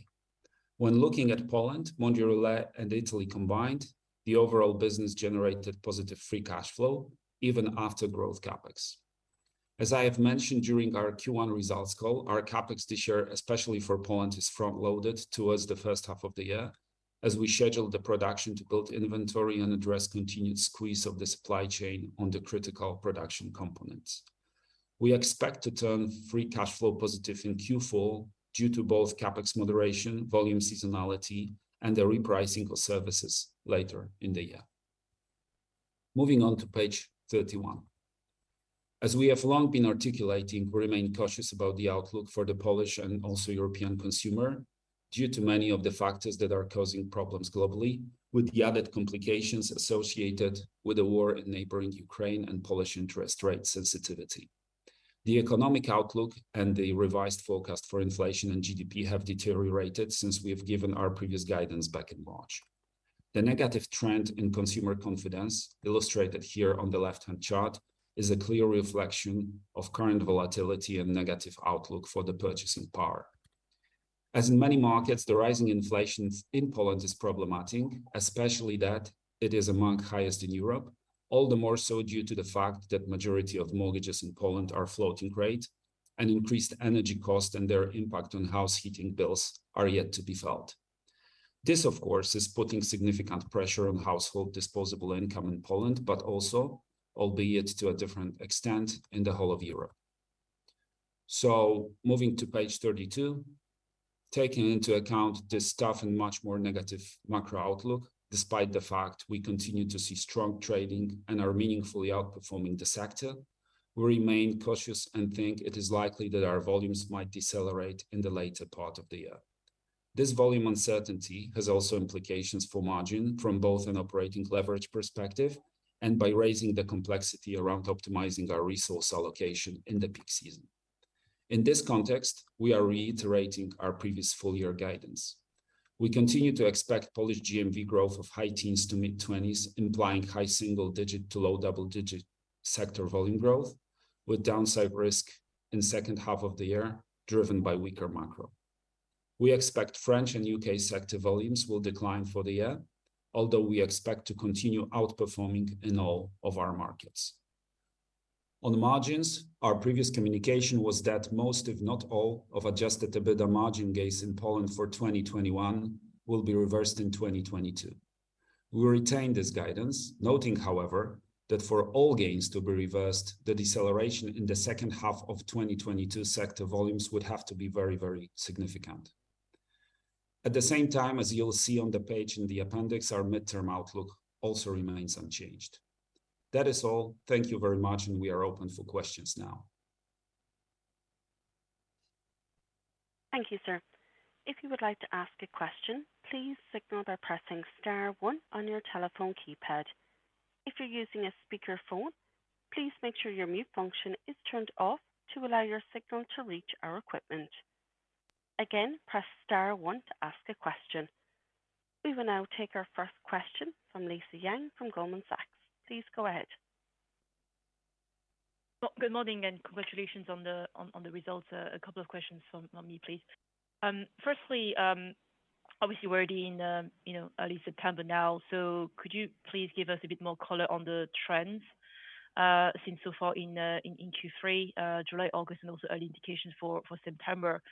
When looking at Poland, Mondial Relay and Italy combined, the overall business generated positive free cash flow even after growth CapEx. As I have mentioned during our Q1 results call, our CapEx this year, especially for Poland, is front-loaded towards the first half of the year as we schedule the production to build inventory and address continued squeeze of the supply chain on the critical production components. We expect to turn free cash flow positive in Q4 due to both CapEx moderation, volume seasonality, and the repricing of services later in the year. Moving on to page 31. As we have long been articulating, we remain cautious about the outlook for the Polish and also European consumer due to many of the factors that are causing problems globally, with the added complications associated with the war in neighboring Ukraine and Polish interest rate sensitivity. The economic outlook and the revised forecast for inflation and GDP have deteriorated since we have given our previous guidance back in March. The negative trend in consumer confidence, illustrated here on the left-hand chart, is a clear reflection of current volatility and negative outlook for the purchasing power. As in many markets, the rising inflation in Poland is problematic, especially that it is among highest in Europe, all the more so due to the fact that majority of mortgages in Poland are floating rate and increased energy cost and their impact on house heating bills are yet to be felt. This, of course, is putting significant pressure on household disposable income in Poland, but also, albeit to a different extent, in the whole of Europe. Moving to page 32, taking into account this tough and much more negative macro outlook, despite the fact we continue to see strong trading and are meaningfully outperforming the sector, we remain cautious and think it is likely that our volumes might decelerate in the later part of the year. This volume uncertainty has also implications for margin from both an operating leverage perspective and by raising the complexity around optimizing our resource allocation in the peak season. In this context, we are reiterating our previous full year guidance. We continue to expect Polish GMV growth of high teens to mid-twenties, implying high single-digit to low double-digit sector volume growth with downside risk in second half of the year, driven by weaker macro. We expect French and UK sector volumes will decline for the year, although we expect to continue outperforming in all of our markets. On margins, our previous communication was that most, if not all, of adjusted EBITDA margin gains in Poland for 2021 will be reversed in 2022. We retain this guidance, noting, however, that for all gains to be reversed, the deceleration in the second half of 2022 sector volumes would have to be very, very significant. At the same time, as you'll see on the page in the appendix, our midterm outlook also remains unchanged. That is all. Thank you very much, and we are open for questions now. Thank you, sir. If you would like to ask a question, please signal by pressing star one on your telephone keypad. If you're using a speakerphone, please make sure your mute function is turned off to allow your signal to reach our equipment. Again, press star one to ask a question. We will now take our first question from Lisa Yang from Goldman Sachs. Please go ahead. Good morning, and congratulations on the results. A couple of questions from me, please. Firstly, obviously we're already in early September now. Could you please give us a bit more color on the trends since so far in Q3, July, August, and also early indications for September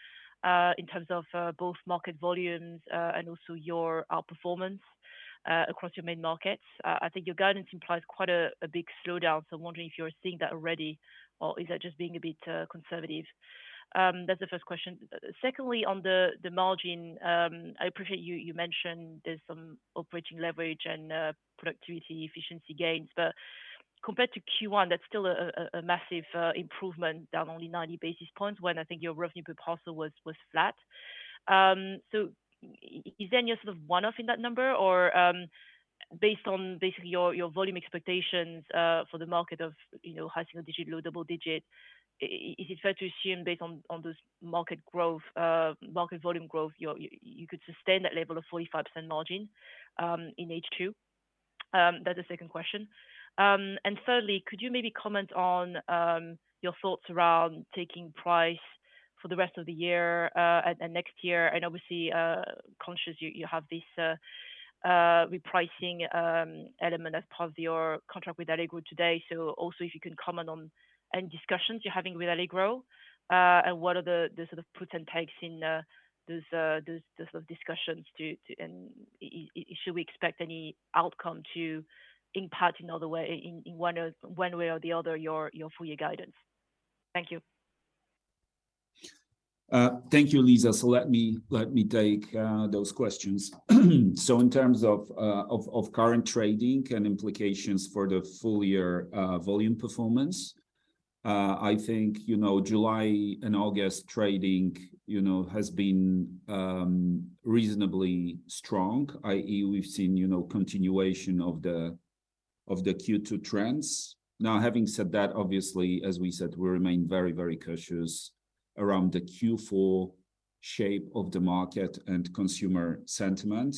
in terms of both market volumes and also your outperformance across your main markets? I think your guidance implies quite a big slowdown. I'm wondering if you're seeing that already or is that just being a bit conservative? That's the first question. Secondly, on the margin, I appreciate you mentioned there's some operating leverage and productivity efficiency gains. Compared to Q1, that's still a massive improvement, down only 90 basis points, when I think your revenue per parcel was flat. So is any of sort of one-off in that number? Or, based on basically your volume expectations for the market of high single digit, low double digit, is it fair to assume based on this market growth, market volume growth, you could sustain that level of 45% margin in H2? That's the second question. And thirdly, could you maybe comment on your thoughts around taking price for the rest of the year, and next year? And obviously, conscious you have this repricing element as part of your contract with Allegro today. Also if you can comment on any discussions you're having with Allegro, and what are the sort of puts and takes in those sort of discussions. Should we expect any outcome to impact in other way, in one way or the other your full year guidance? Thank you. Thank you, Lisa. Let me take those questions. In terms of current trading and implications for the full year, volume performance, I think July and August trading has been reasonably strong, i.e. we've seen continuation of the Q2 trends. Now, having said that, obviously, as we said, we remain very cautious around the Q4 shape of the market and consumer sentiment.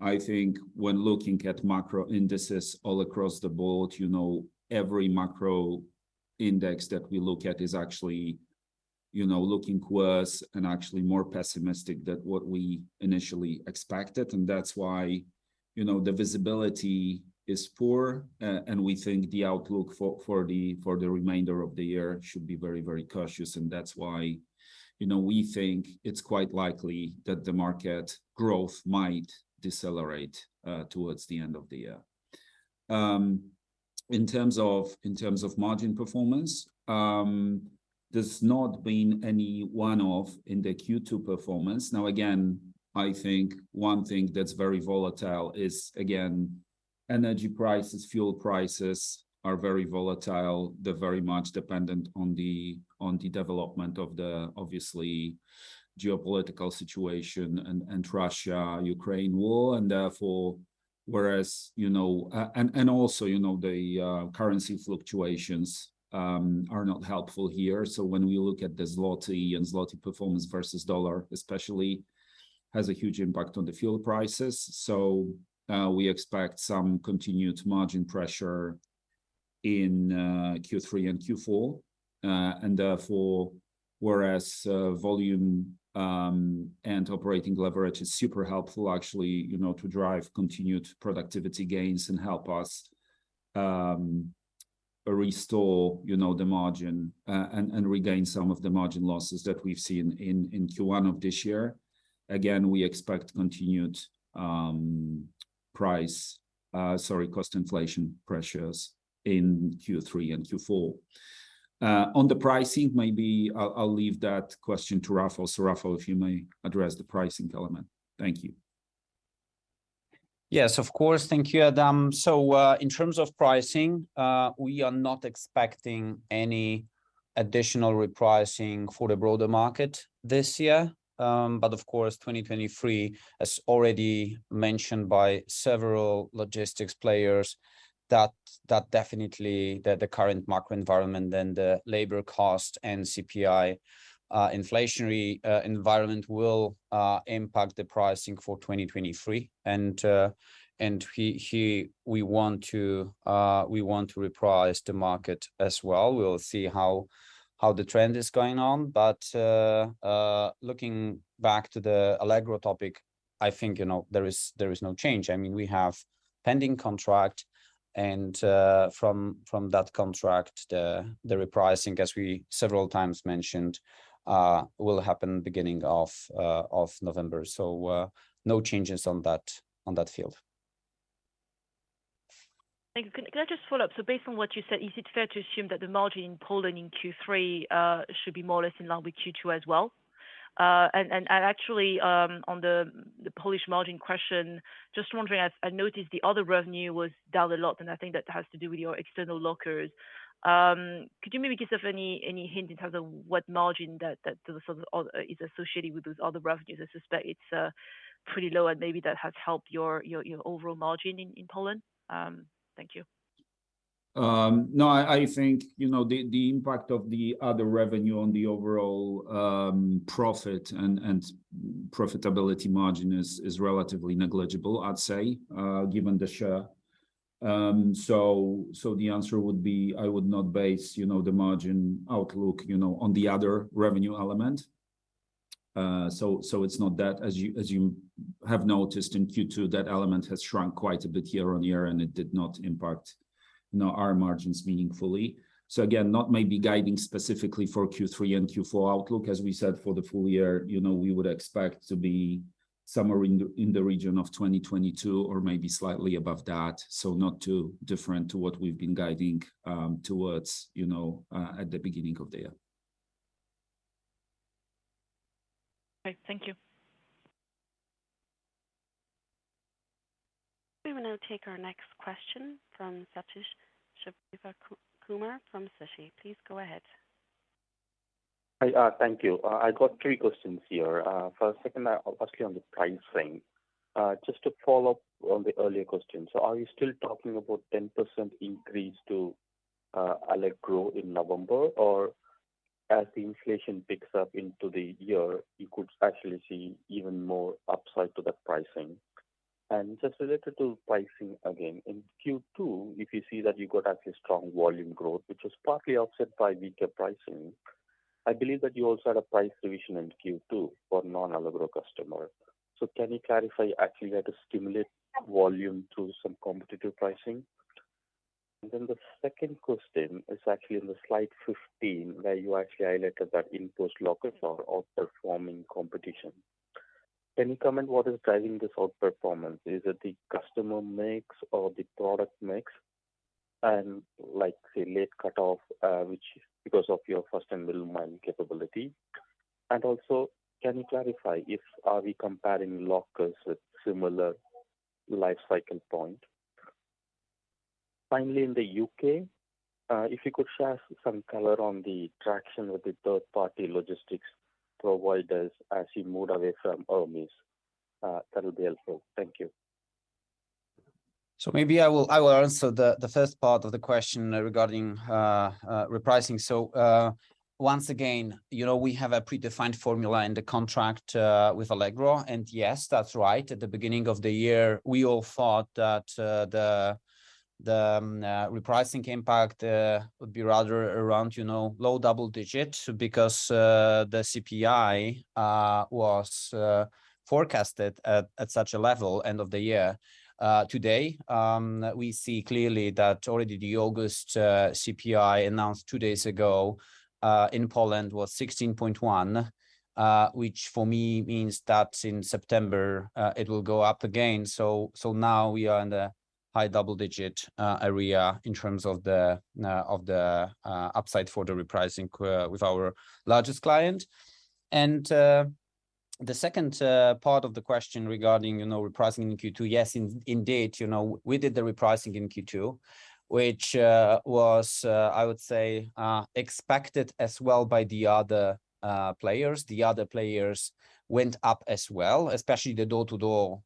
I think when looking at macro indices all across the board every macro index that we look at is actually looking worse and actually more pessimistic than what we initially expected. That's why the visibility is poor. We think the outlook for the remainder of the year should be very cautious. That's why we think it's quite likely that the market growth might decelerate towards the end of the year. In terms of margin performance, there's not been any one-off in the Q2 performance. Now, I think one thing that's very volatile is energy prices, fuel prices are very volatile. They're very much dependent on the development of the obviously geopolitical situation and Russia-Ukraine war. Therefore, whereas you know and also the currency fluctuations are not helpful here. When we look at the zloty performance versus dollar especially, has a huge impact on the fuel prices. We expect some continued margin pressure in Q3 and Q4. Therefore, whereas volume and operating leverage is super helpful actually to drive continued productivity gains and help us restore the margin and regain some of the margin losses that we've seen in Q1 of this year. Again, we expect continued cost inflation pressures in Q3 and Q4. On the pricing, maybe I'll leave that question to Rafał. Rafał, if you may address the pricing element. Thank you. Yes, of course. Thank you, Adam. In terms of pricing, we are not expecting any additional repricing for the broader market this year. But of course, 2023, as already mentioned by several logistics players, that definitely the current macro environment and the labor cost and CPI inflationary environment will impact the pricing for 2023. Here we want to reprice the market as well. We'll see how the trend is going on. Looking back to the Allegro topic, I think there is no change. I mean, we have pending contract and from that contract, the repricing, as we several times mentioned, will happen beginning of November. No changes on that field. Thank you. Can I just follow up? Based on what you said, is it fair to assume that the margin in Poland in Q3 should be more or less in line with Q2 as well? And actually, on the Polish margin question, just wondering, I noticed the other revenue was down a lot, and I think that has to do with your external lockers. Could you maybe give us any hint in terms of what margin that sort of is associated with those other revenues? I suspect it's pretty low, and maybe that has helped your overall margin in Poland. Thank you. No. I think the impact of the other revenue on the overall profit and profitability margin is relatively negligible, I'd say, given the share. The answer would be, I would not base the margin outlook on the other revenue element. It's not that. As you have noticed in Q2, that element has shrunk quite a bit year-on-year, and it did not impact our margins meaningfully. Again, not maybe guiding specifically for Q3 and Q4 outlook. As we said, for the full year we would expect to be somewhere in the region of 2022 or maybe slightly above that. Not too different to what we've been guiding, towards at the beginning of the year. Right. Thank you. We will now take our next question from Sathish Sivakumar from Citi. Please go ahead. Hi. Thank you. I got three questions here. Firstly on the pricing, just to follow up on the earlier question. Are you still talking about 10% increase to Allegro in November? Or as the inflation picks up into the year, you could actually see even more upside to that pricing? Just related to pricing again, in Q2, if you see that you got actually strong volume growth, which was partly offset by weaker pricing, I believe that you also had a price revision in Q2 for non-Allegro customer. Can you clarify actually that to stimulate volume through some competitive pricing? The second question is actually on the slide 15, where you actually highlighted that in-house lockers are outperforming competition. Can you comment what is driving this outperformance? Is it the customer mix or the product mix? Like, say, late cut-off, which because of your first and middle mile capability? Also, can you clarify if we are comparing lockers with similar life cycle point? Finally, in the U.K., if you could share some color on the traction with the third-party logistics providers as you moved away from Yodel, that'll be helpful. Thank you. Maybe I will answer the first part of the question regarding repricing. Once again we have a predefined formula in the contract with Allegro. Yes, that's right. At the beginning of the year, we all thought that the repricing impact would be rather around low double digit because the CPI was forecasted at such a level end of the year. Today, we see clearly that already the August CPI announced two days ago in Poland was 16.1%, which for me means that in September it will go up again. Now we are in the high double-digit area in terms of the upside for the repricing with our largest client. The second part of the question regarding repricing in Q2, yes, indeed we did the repricing in Q2, which was, I would say, expected as well by the other players. The other players went up as well, especially the door-to-door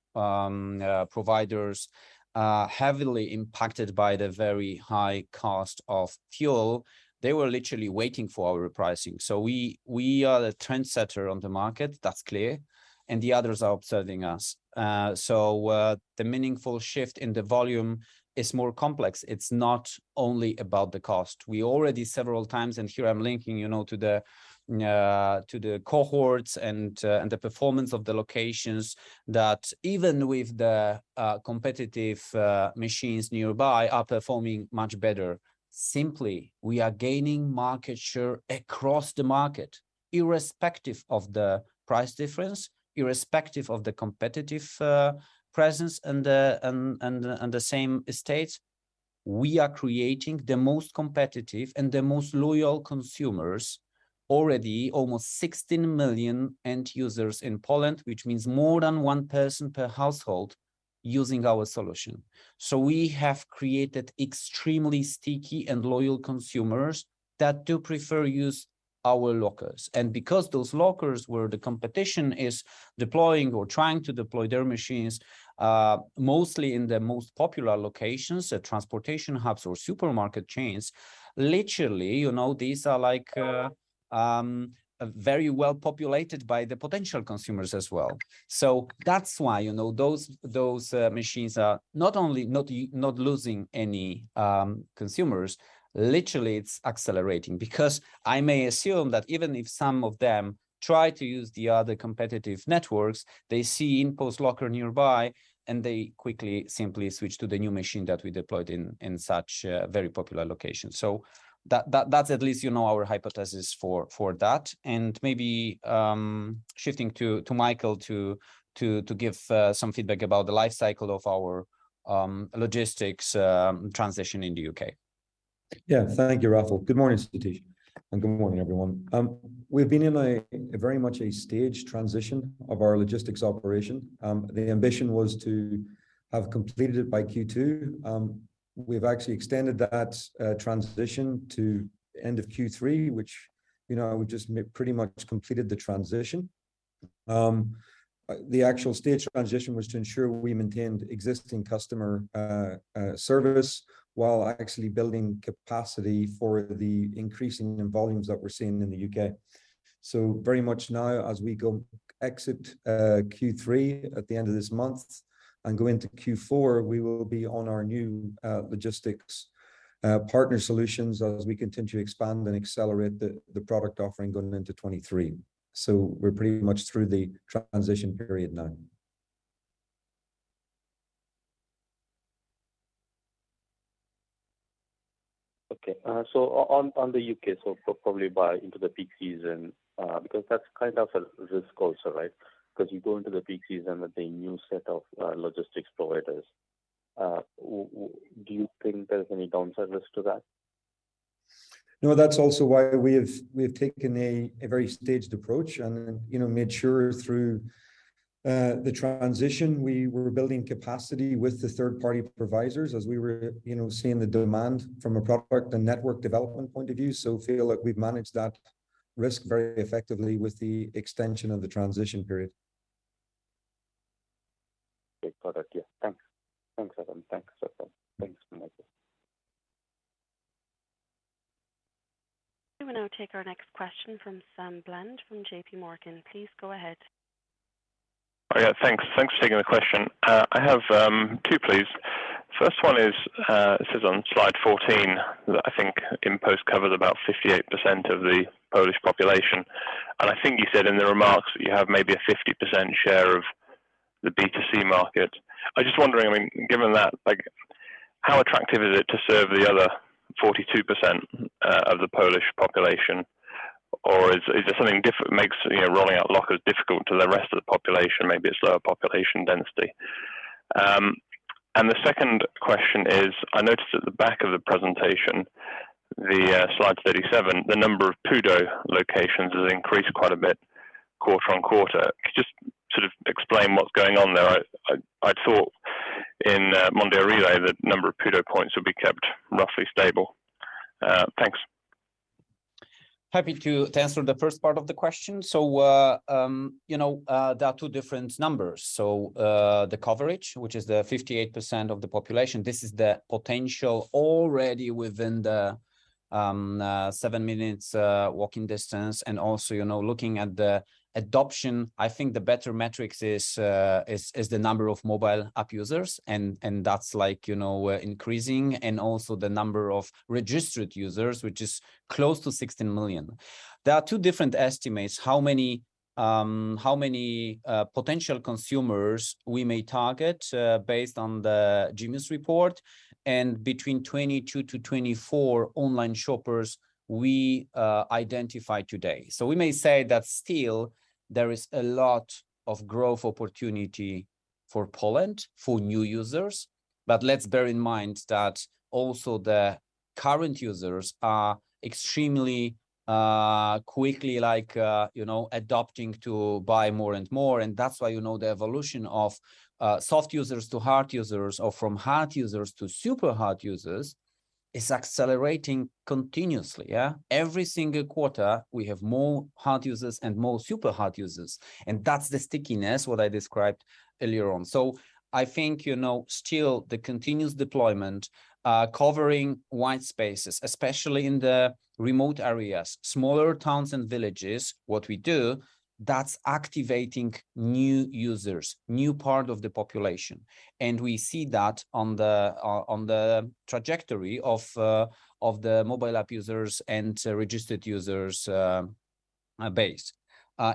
providers are heavily impacted by the very high cost of fuel. They were literally waiting for our repricing. We are the trendsetter on the market. That's clear, and the others are observing us. The meaningful shift in the volume is more complex. It's not only about the cost. We already several times, and here I'm linking to the cohorts and the performance of the locations that even with the competitive machines nearby are performing much better. Simply, we are gaining market share across the market, irrespective of the price difference, irrespective of the competitive presence and the same states. We are creating the most competitive and the most loyal consumers. Already almost 16 million end users in Poland, which means more than one person per household using our solution. We have created extremely sticky and loyal consumers that do prefer use our lockers. Because those lockers where the competition is deploying or trying to deploy their machines, mostly in the most popular locations, the transportation hubs or supermarket chains, literally these are like very well populated by the potential consumers as well. That's why those machines are not only not losing any consumers, literally, it's accelerating. Because I may assume that even if some of them try to use the other competitive networks, they see InPost locker nearby, and they quickly simply switch to the new machine that we deployed in such a very popular location. That's at least you know our hypothesis for that. Maybe shifting to Michael to give some feedback about the life cycle of our logistics transition in the UK. Yeah. Thank you, Rafał. Good morning, Sathish, and good morning, everyone. We've been in a very much a staged transition of our logistics operation. The ambition was to have completed it by Q2. We've actually extended that transition to end of Q3, which we've just pretty much completed the transition. The actual stage transition was to ensure we maintained existing customer service while actually building capacity for the increase in volumes that we're seeing in the UK. Very much now as we exit Q3 at the end of this month and go into Q4, we will be on our new logistics partner solutions as we continue to expand and accelerate the product offering going into 2023. We're pretty much through the transition period now. Okay, on the U.K., probably going into the peak season, because that's kind of a risk also, right? Because you go into the peak season with a new set of logistics providers. Do you think there's any downside risk to that? No, that's also why we have taken a very staged approach and made sure through the transition we were building capacity with the third-party providers as we were seeing the demand from a product and network development point of view. Feel like we've managed that risk very effectively with the extension of the transition period. Great product. Yeah. Thanks. Thanks, Adam. Thanks, Rafał. Thanks, Michael. We will now take our next question from Sam Bland from JP Morgan. Please go ahead. Thanks. Thanks for taking the question. I have two, please. First one is, it says on slide 14 that I think InPost covers about 58% of the Polish population, and I think you said in the remarks that you have maybe a 50% share of the B2C market. I'm just wondering, I mean, given that, like how attractive is it to serve the other 42% of the Polish population? Or is there something different makes rolling out lockers difficult to the rest of the population? Maybe it's lower population density. And the second question is, I noticed at the back of the presentation, the slide 37, the number of PUDO locations has increased quite a bit quarter-on-quarter. Could you just sort of explain what's going on there? I'd thought in Mondial Relay that number of PUDO points would be kept roughly stable. Thanks. Happy to answer the first part of the question. There are two different numbers. The coverage, which is the 58% of the population, this is the potential already within the seven minutes walking distance. Looking at the adoption, I think the better metrics is the number of mobile app users and that's like increasing, and also the number of registered users, which is close to 16 million. There are two different estimates, how many potential consumers we may target, based on the Gemius report, and between 22-24 online shoppers we identify today. We may say that still there is a lot of growth opportunity for Poland, for new users. Let's bear in mind that also the current users are extremely quickly like you know adopting to buy more and more. That's why you know the evolution of soft users to hard users or from hard users to super hard users is accelerating continuously yeah. Every single quarter we have more hard users and more super hard users. That's the stickiness what I described earlier on. I think you know still the continuous deployment covering wide spaces especially in the remote areas smaller towns and villages what we do that's activating new users new part of the population. We see that on the trajectory of the mobile app users and registered users base.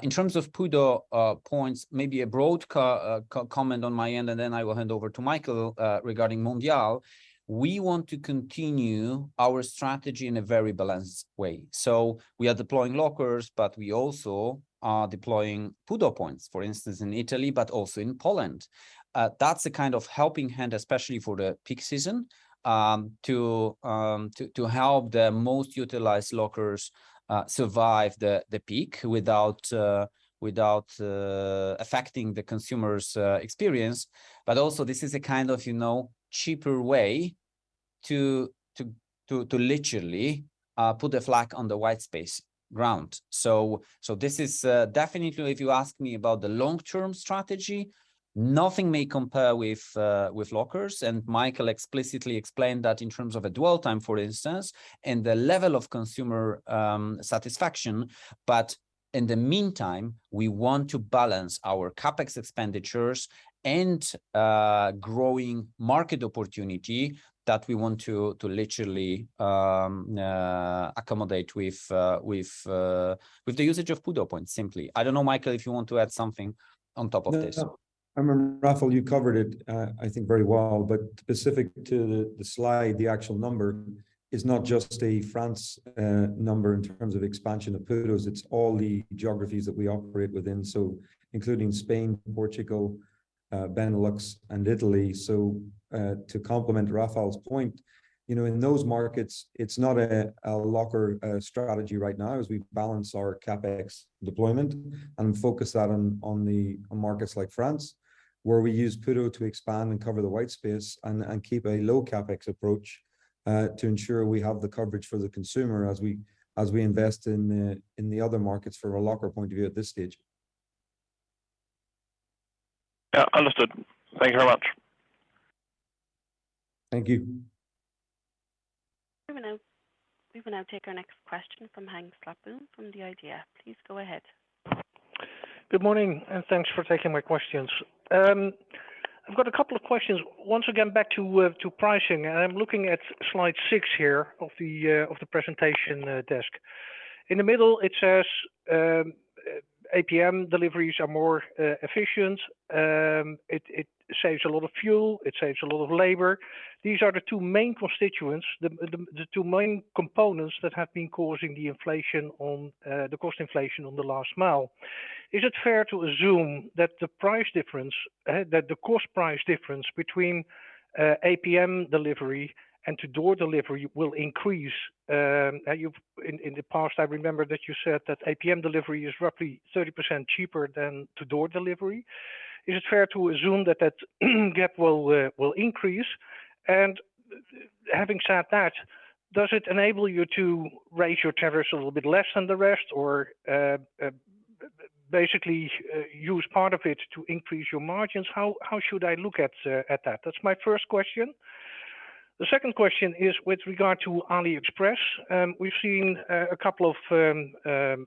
In terms of PUDO points, maybe a broad comment on my end, and then I will hand over to Michael regarding Mondial. We want to continue our strategy in a very balanced way. We are deploying lockers, but we also are deploying PUDO points, for instance, in Italy, but also in Poland. That's the kind of helping hand, especially for the peak season, to help the most utilized lockers survive the peak without affecting the consumer's experience. Also this is a kind of cheaper way to literally put a flag on the white space ground. This is definitely if you ask me about the long-term strategy, nothing may compare with lockers. Michael explicitly explained that in terms of a dwell time, for instance, and the level of consumer satisfaction. In the meantime, we want to balance our CapEx expenditures and growing market opportunity that we want to literally accommodate with the usage of PUDO points, simply. I don't know, Michael, if you want to add something on top of this? No. I mean, Rafał, you covered it, I think very well. Specific to the slide, the actual number is not just a France number in terms of expansion of PUDOs, it's all the geographies that we operate within, so including Spain, Portugal, Benelux and Italy. To complement Rafał's point in those markets, it's not a locker strategy right now as we balance our CapEx deployment and focus that on the markets like France, where we use PUDO to expand and cover the white space and keep a low CapEx approach to ensure we have the coverage for the consumer as we invest in the other markets for a locker point of view at this stage. Yeah, understood. Thank you very much. Thank you. We will now take our next question from Henk Slotboom from The IDEA!. Please go ahead. Good morning, and thanks for taking my questions. I've got a couple of questions. Once again, back to pricing, and I'm looking at slide 6 here of the presentation deck. In the middle it says, APM deliveries are more efficient. It saves a lot of fuel, it saves a lot of labor. These are the two main constituents, the two main components that have been causing the inflation on the cost inflation on the last mile. Is it fair to assume that the cost price difference between APM delivery and to-door delivery will increase? Now, in the past I remember that you said that APM delivery is roughly 30% cheaper than to-door delivery. Is it fair to assume that gap will increase? Having said that, does it enable you to raise your tariffs a little bit less than the rest or, basically, use part of it to increase your margins? How should I look at that? That's my first question. The second question is with regard to AliExpress, we've seen a couple of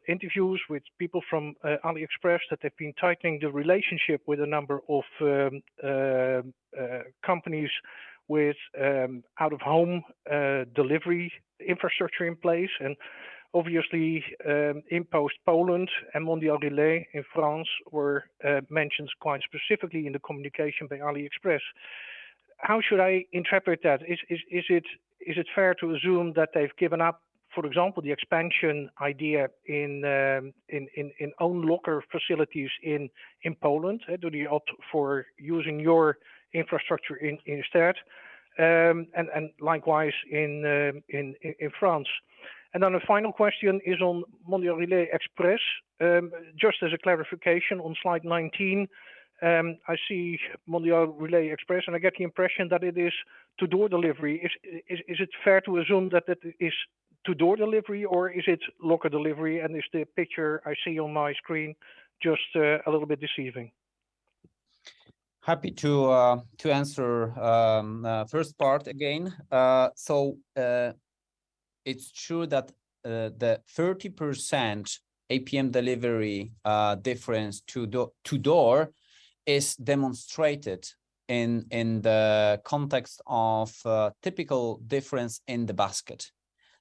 interviews with people from AliExpress that they've been tightening the relationship with a number of companies with out-of-home delivery infrastructure in place, and obviously, InPost Poland and Mondial Relay in France were mentioned quite specifically in the communication by AliExpress. How should I interpret that? Is it fair to assume that they've given up, for example, the expansion idea in own locker facilities in Poland, do they opt for using your infrastructure instead, and likewise in France? A final question is on Mondial Relay Express. Just as a clarification on slide 19, I see Mondial Relay Express, and I get the impression that it is to-door delivery. Is it fair to assume that that is to-door delivery or is it locker delivery and is the picture I see on my screen just a little bit deceiving? Happy to answer first part again. It's true that the 30% APM delivery difference to to-door is demonstrated in the context of typical difference in the basket.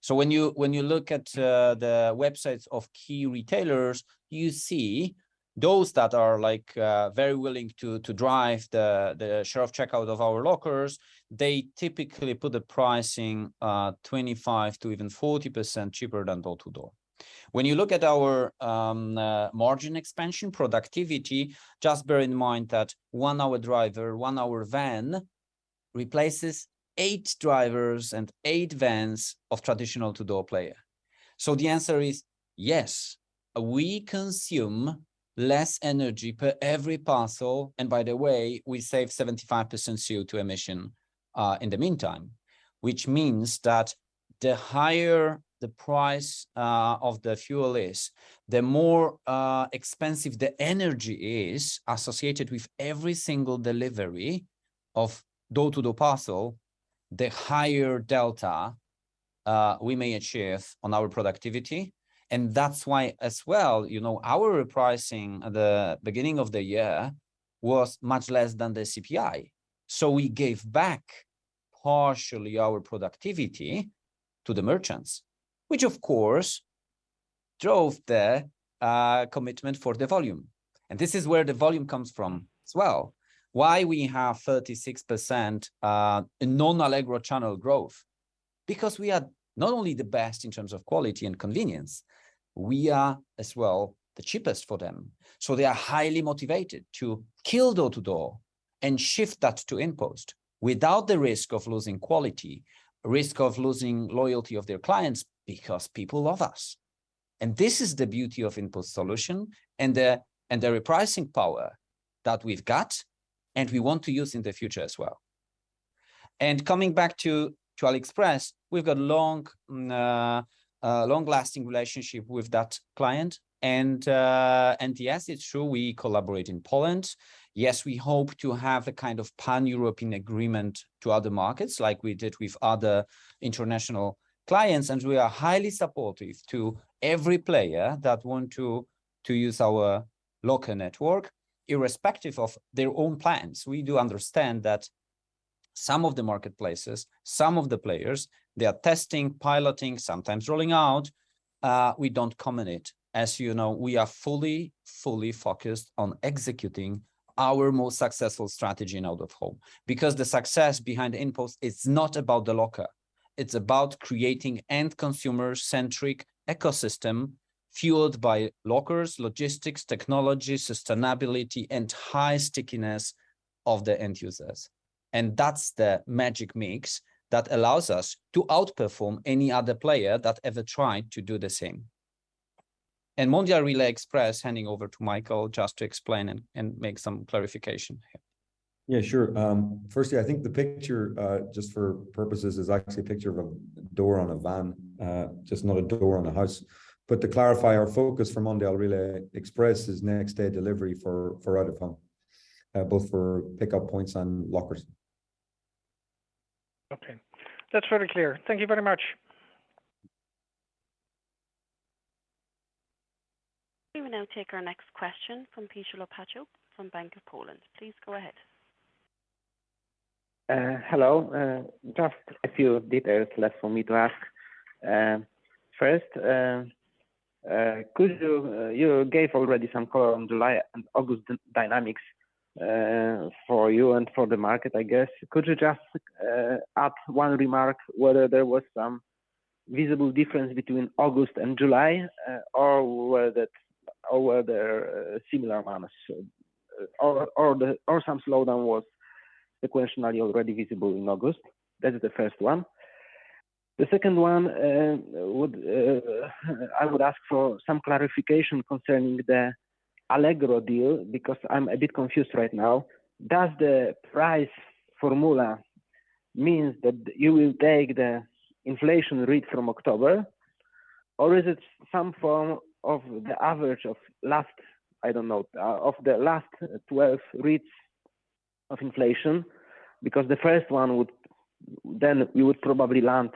When you look at the websites of key retailers, you see those that are like very willing to drive the share of checkout of our lockers, they typically put the pricing 25% to even 40% cheaper than door-to-door. When you look at our margin expansion productivity, just bear in mind that 1 hour driver, 1 hour van replaces 8 drivers and 8 vans of traditional to-door player. The answer is yes, we consume less energy per every parcel, and by the way, we save 75% CO2 emission in the meantime. Which means that the higher the price of the fuel is, the more expensive the energy is associated with every single delivery of door-to-door parcel, the higher delta we may achieve on our productivity. That's why as well our repricing at the beginning of the year was much less than the CPI. We gave back partially our productivity to the merchants, which of course drove the commitment for the volume. This is where the volume comes from as well. Why we have 36% in non-Allegro channel growth. Because we are not only the best in terms of quality and convenience, we are as well the cheapest for them. They are highly motivated to kill door-to-door and shift that to InPost without the risk of losing quality, risk of losing loyalty of their clients, because people love us. This is the beauty of InPost solution and the repricing power that we've got and we want to use in the future as well. Coming back to AliExpress, we've got long-lasting relationship with that client. Yes, it's true we collaborate in Poland. Yes, we hope to have the kind of Pan-European agreement to other markets like we did with other international clients. We are highly supportive to every player that want to use our local network, irrespective of their own plans. We do understand that some of the marketplaces, some of the players, they are testing, piloting, sometimes rolling out, we don't comment it. As we are fully focused on executing our most successful strategy in out-of-home. Because the success behind InPost is not about the locker. It's about creating end consumer-centric ecosystem fueled by lockers, logistics, technology, sustainability, and high stickiness of the end users. That's the magic mix that allows us to outperform any other player that ever tried to do the same. Mondial Relay Express, handing over to Michael just to explain and make some clarification here. Yeah, sure. Firstly, I think the picture, just for purposes, is actually a picture of a door on a van, just not a door on a house. To clarify, our focus for Mondial Relay Express is next-day delivery for out-of-home, both for pickup points and lockers. Okay. That's very clear. Thank you very much. We will now take our next question from Piotr Łopaciuk from Bank Pekao S.A. Please go ahead. Hello. Just a few details left for me to ask. First, could you you gave already some color on July and August dynamics, for you and for the market, I guess. Could you just add one remark whether there was some visible difference between August and July, or were there a similar manner, or some slowdown was the question already visible in August? That is the first one. The second one, I would ask for some clarification concerning the Allegro deal because I'm a bit confused right now. Does the price formula means that you will take the inflation rate from October, or is it some form of the average of last, I don't know, of the last 12 rates of inflation? Because the first one would... You would probably land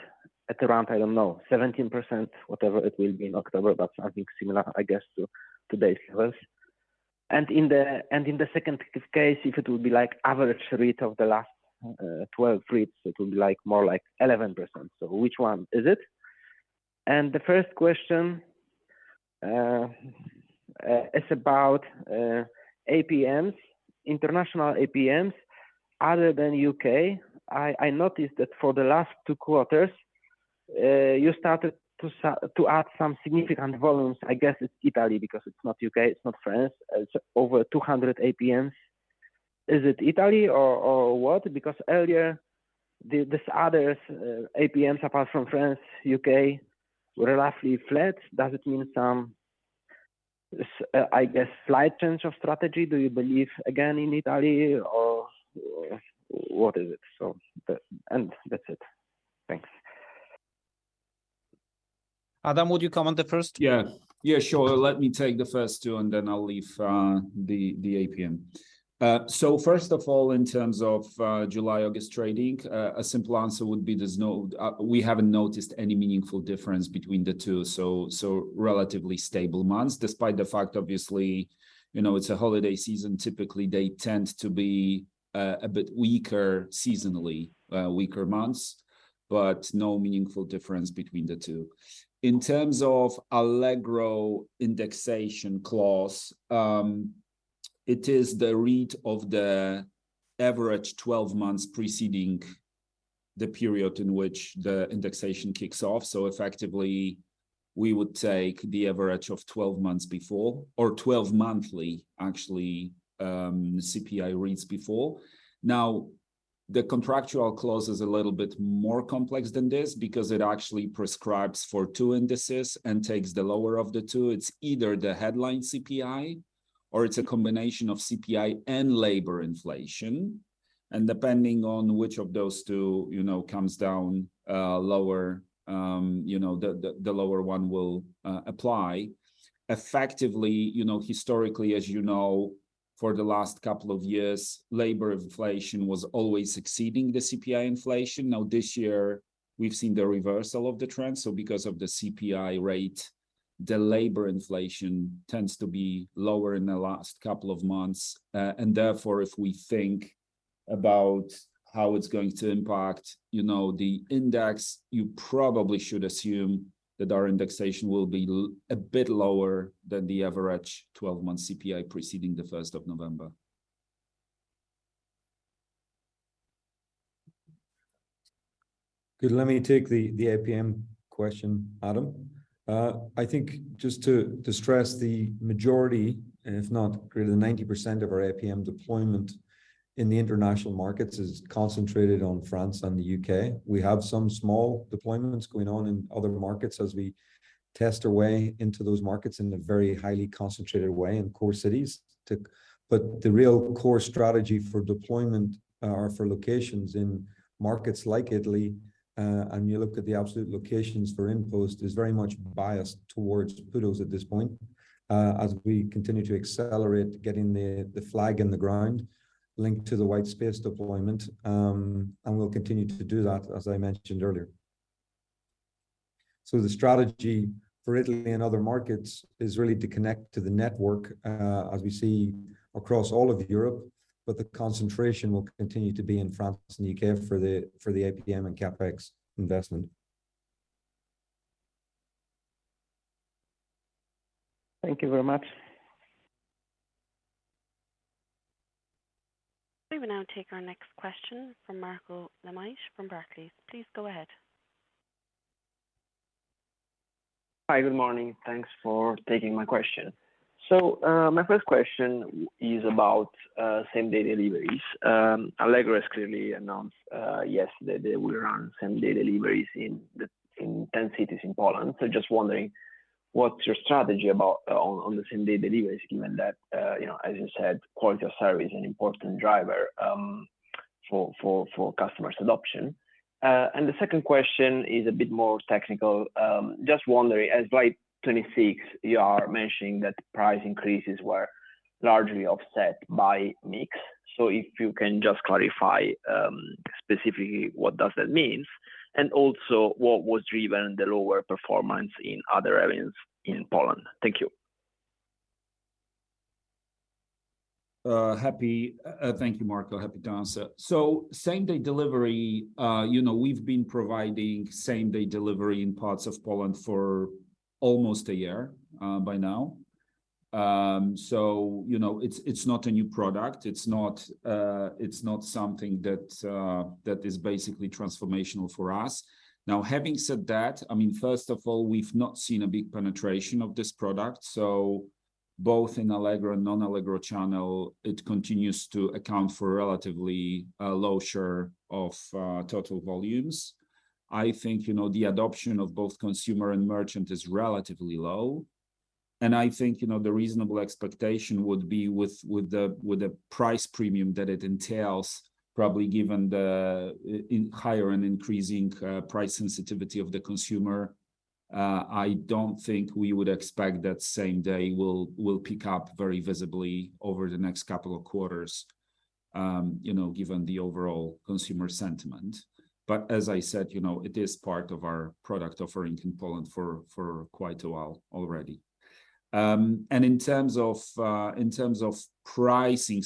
at around, I don't know, 17%, whatever it will be in October. That's something similar, I guess, to today's levels. In the second case, if it will be like average rate of the last 12 rates, it will be like more like 11%. Which one is it? The first question is about APMs, international APMs other than UK. I noticed that for the last two quarters, you started to add some significant volumes. I guess it's Italy because it's not UK, it's not France. It's over 200 APMs. Is it Italy or what? Because earlier, these others, APMs, apart from France, UK, were roughly flat. Does it mean some, I guess, slight change of strategy? Do you believe again in Italy or what is it? That's it. Thanks. Adam, would you comment the first? Yeah. sure. Let me take the first two, and then I'll leave the APM. First of all, in terms of July, August trading, a simple answer would be there's no meaningful difference between the two. Relatively stable months, despite the fact, obviously it's a holiday season. Typically, they tend to be a bit weaker seasonally, weaker months, but no meaningful difference between the two. In terms of Allegro indexation clause, it is the rate of the average 12 months preceding the period in which the indexation kicks off. Effectively, we would take the average of 12 months before or 12 monthly, actually, CPI reads before. Now, the contractual clause is a little bit more complex than this because it actually prescribes for two indices and takes the lower of the two. It's either the headline CPI or it's a combination of CPI and labor inflation. Depending on which of those two comes down lower the lower one will apply. effectively historically, as for the last couple of years, labor inflation was always exceeding the CPI inflation. Now, this year, we've seen the reversal of the trend. Because of the CPI rate, the labor inflation tends to be lower in the last couple of months. Therefore, if we think about how it's going to impact the index, you probably should assume that our indexation will be a bit lower than the average 12-month CPI preceding the first of November. Good. Let me take the APM question, Adam. I think just to stress the majority, if not greater than 90% of our APM deployment in the international markets is concentrated on France and the UK. We have some small deployments going on in other markets as we test our way into those markets in a very highly concentrated way in core cities. The real core strategy for deployment, for locations in markets like Italy, and you look at the absolute locations for InPost, is very much biased towards PUDO at this point. As we continue to accelerate getting the flag in the ground linked to the white space deployment, and we'll continue to do that, as I mentioned earlier. The strategy for Italy and other markets is really to connect to the network, as we see across all of Europe, but the concentration will continue to be in France and U.K. for the APM and CapEx investment. Thank you very much. We will now take our next question from Marco Limite from Barclays. Please go ahead. Hi, good morning. Thanks for taking my question. My first question is about same-day deliveries. Allegro has clearly announced they will run same-day deliveries in 10 cities in Poland. Just wondering, what's your strategy about the same-day deliveries given that as you said, quality of service an important driver for customers' adoption. And the second question is a bit more technical. Just wondering, as slide 26, you are mentioning that price increases were largely offset by mix. If you can just clarify specifically what does that mean, and also what drove the lower performance in other areas in Poland. Thank you. Thank you, Marco. Happy to answer. Same-day delivery we've been providing same-day delivery in parts of Poland for almost a year, by now. It's not a new product. It's not something that is basically transformational for us. Now, having said that, I mean, first of all, we've not seen a big penetration of this product. Both in Allegro and non-Allegro channel, it continues to account for relatively a low share of total volumes. I think the adoption of both consumer and merchant is relatively low. I think the reasonable expectation would be with the price premium that it entails, probably given the higher and increasing price sensitivity of the consumer, I don't think we would expect that same day will pick up very visibly over the next couple of quarters given the overall consumer sentiment. As I said it is part of our product offering in Poland for quite a while already. In terms of pricing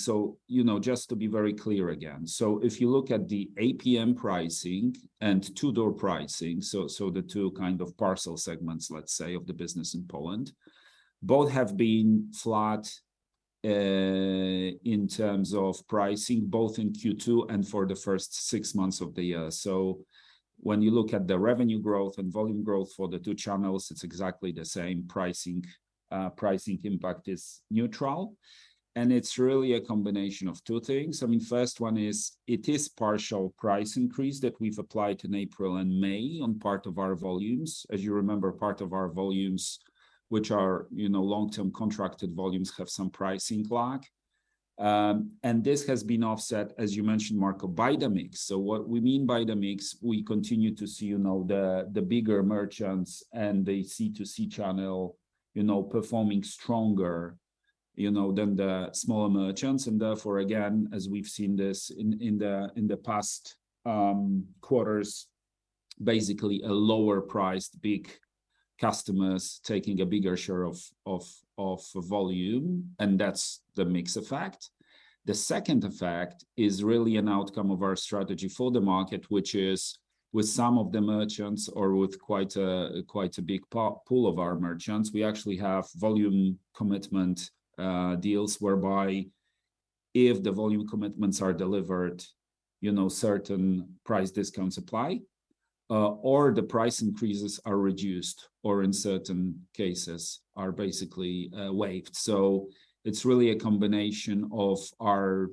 just to be very clear again. If you look at the APM pricing and to-door pricing, the two kind of parcel segments, let's say, of the business in Poland, both have been flat in terms of pricing, both in Q2 and for the first six months of the year. When you look at the revenue growth and volume growth for the two channels, it's exactly the same pricing. Pricing impact is neutral, and it's really a combination of two things. I mean, first one is partial price increase that we've applied in April and May on part of our volumes. As you remember, part of our volumes, which are long-term contracted volumes, have some pricing lock. This has been offset, as you mentioned, Marco, by the mix. What we mean by the mix, we continue to see the bigger merchants and the C2C channel performing stronger than the smaller merchants. Therefore, again, as we've seen this in the past quarters, basically lower priced big customers taking a bigger share of volume, and that's the mix effect. The second effect is really an outcome of our strategy for the market, which is with some of the merchants or with quite a big pool of our merchants, we actually have volume commitment deals, whereby if the volume commitments are delivered certain price discounts apply, or the price increases are reduced, or in certain cases are basically waived. It's really a combination of our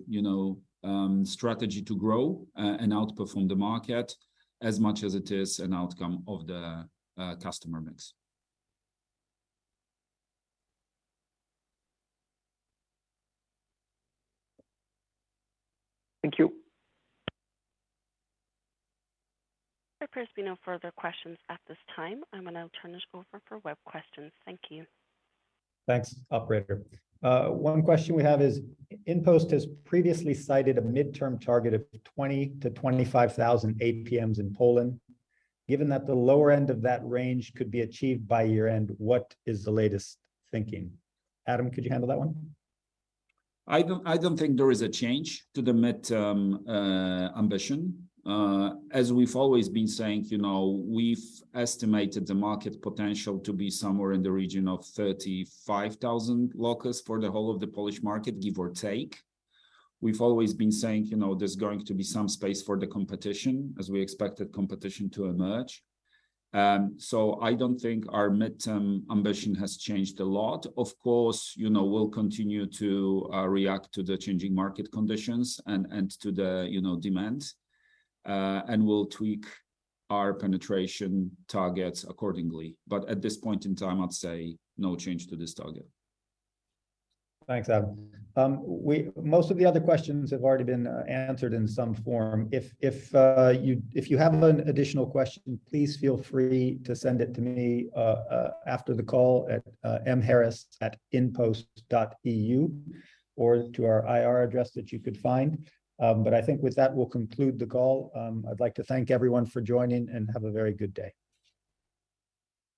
strategy to grow and outperform the market as much as it is an outcome of the customer mix. Thank you. There appears to be no further questions at this time. I'm going to turn this over for web questions. Thank you. Thanks, operator. One question we have is, InPost has previously cited a midterm target of 20,000-25,000 APMs in Poland. Given that the lower end of that range could be achieved by year-end, what is the latest thinking? Adam, could you handle that one? I don't think there is a change to the midterm ambition. As we've always been saying we've estimated the market potential to be somewhere in the region of 35,000 lockers for the whole of the Polish market, give or take. We've always been saying there's going to be some space for the competition, as we expected competition to emerge. I don't think our midterm ambition has changed a lot. Of course we'll continue to react to the changing market conditions and to the demand. We'll tweak our penetration targets accordingly. At this point in time, I'd say no change to this target. Thanks, Adam. Most of the other questions have already been answered in some form. If you have an additional question, please feel free to send it to me after the call at mharris@inpost.eu or to our IR address that you could find. I think with that, we'll conclude the call. I'd like to thank everyone for joining, and have a very good day.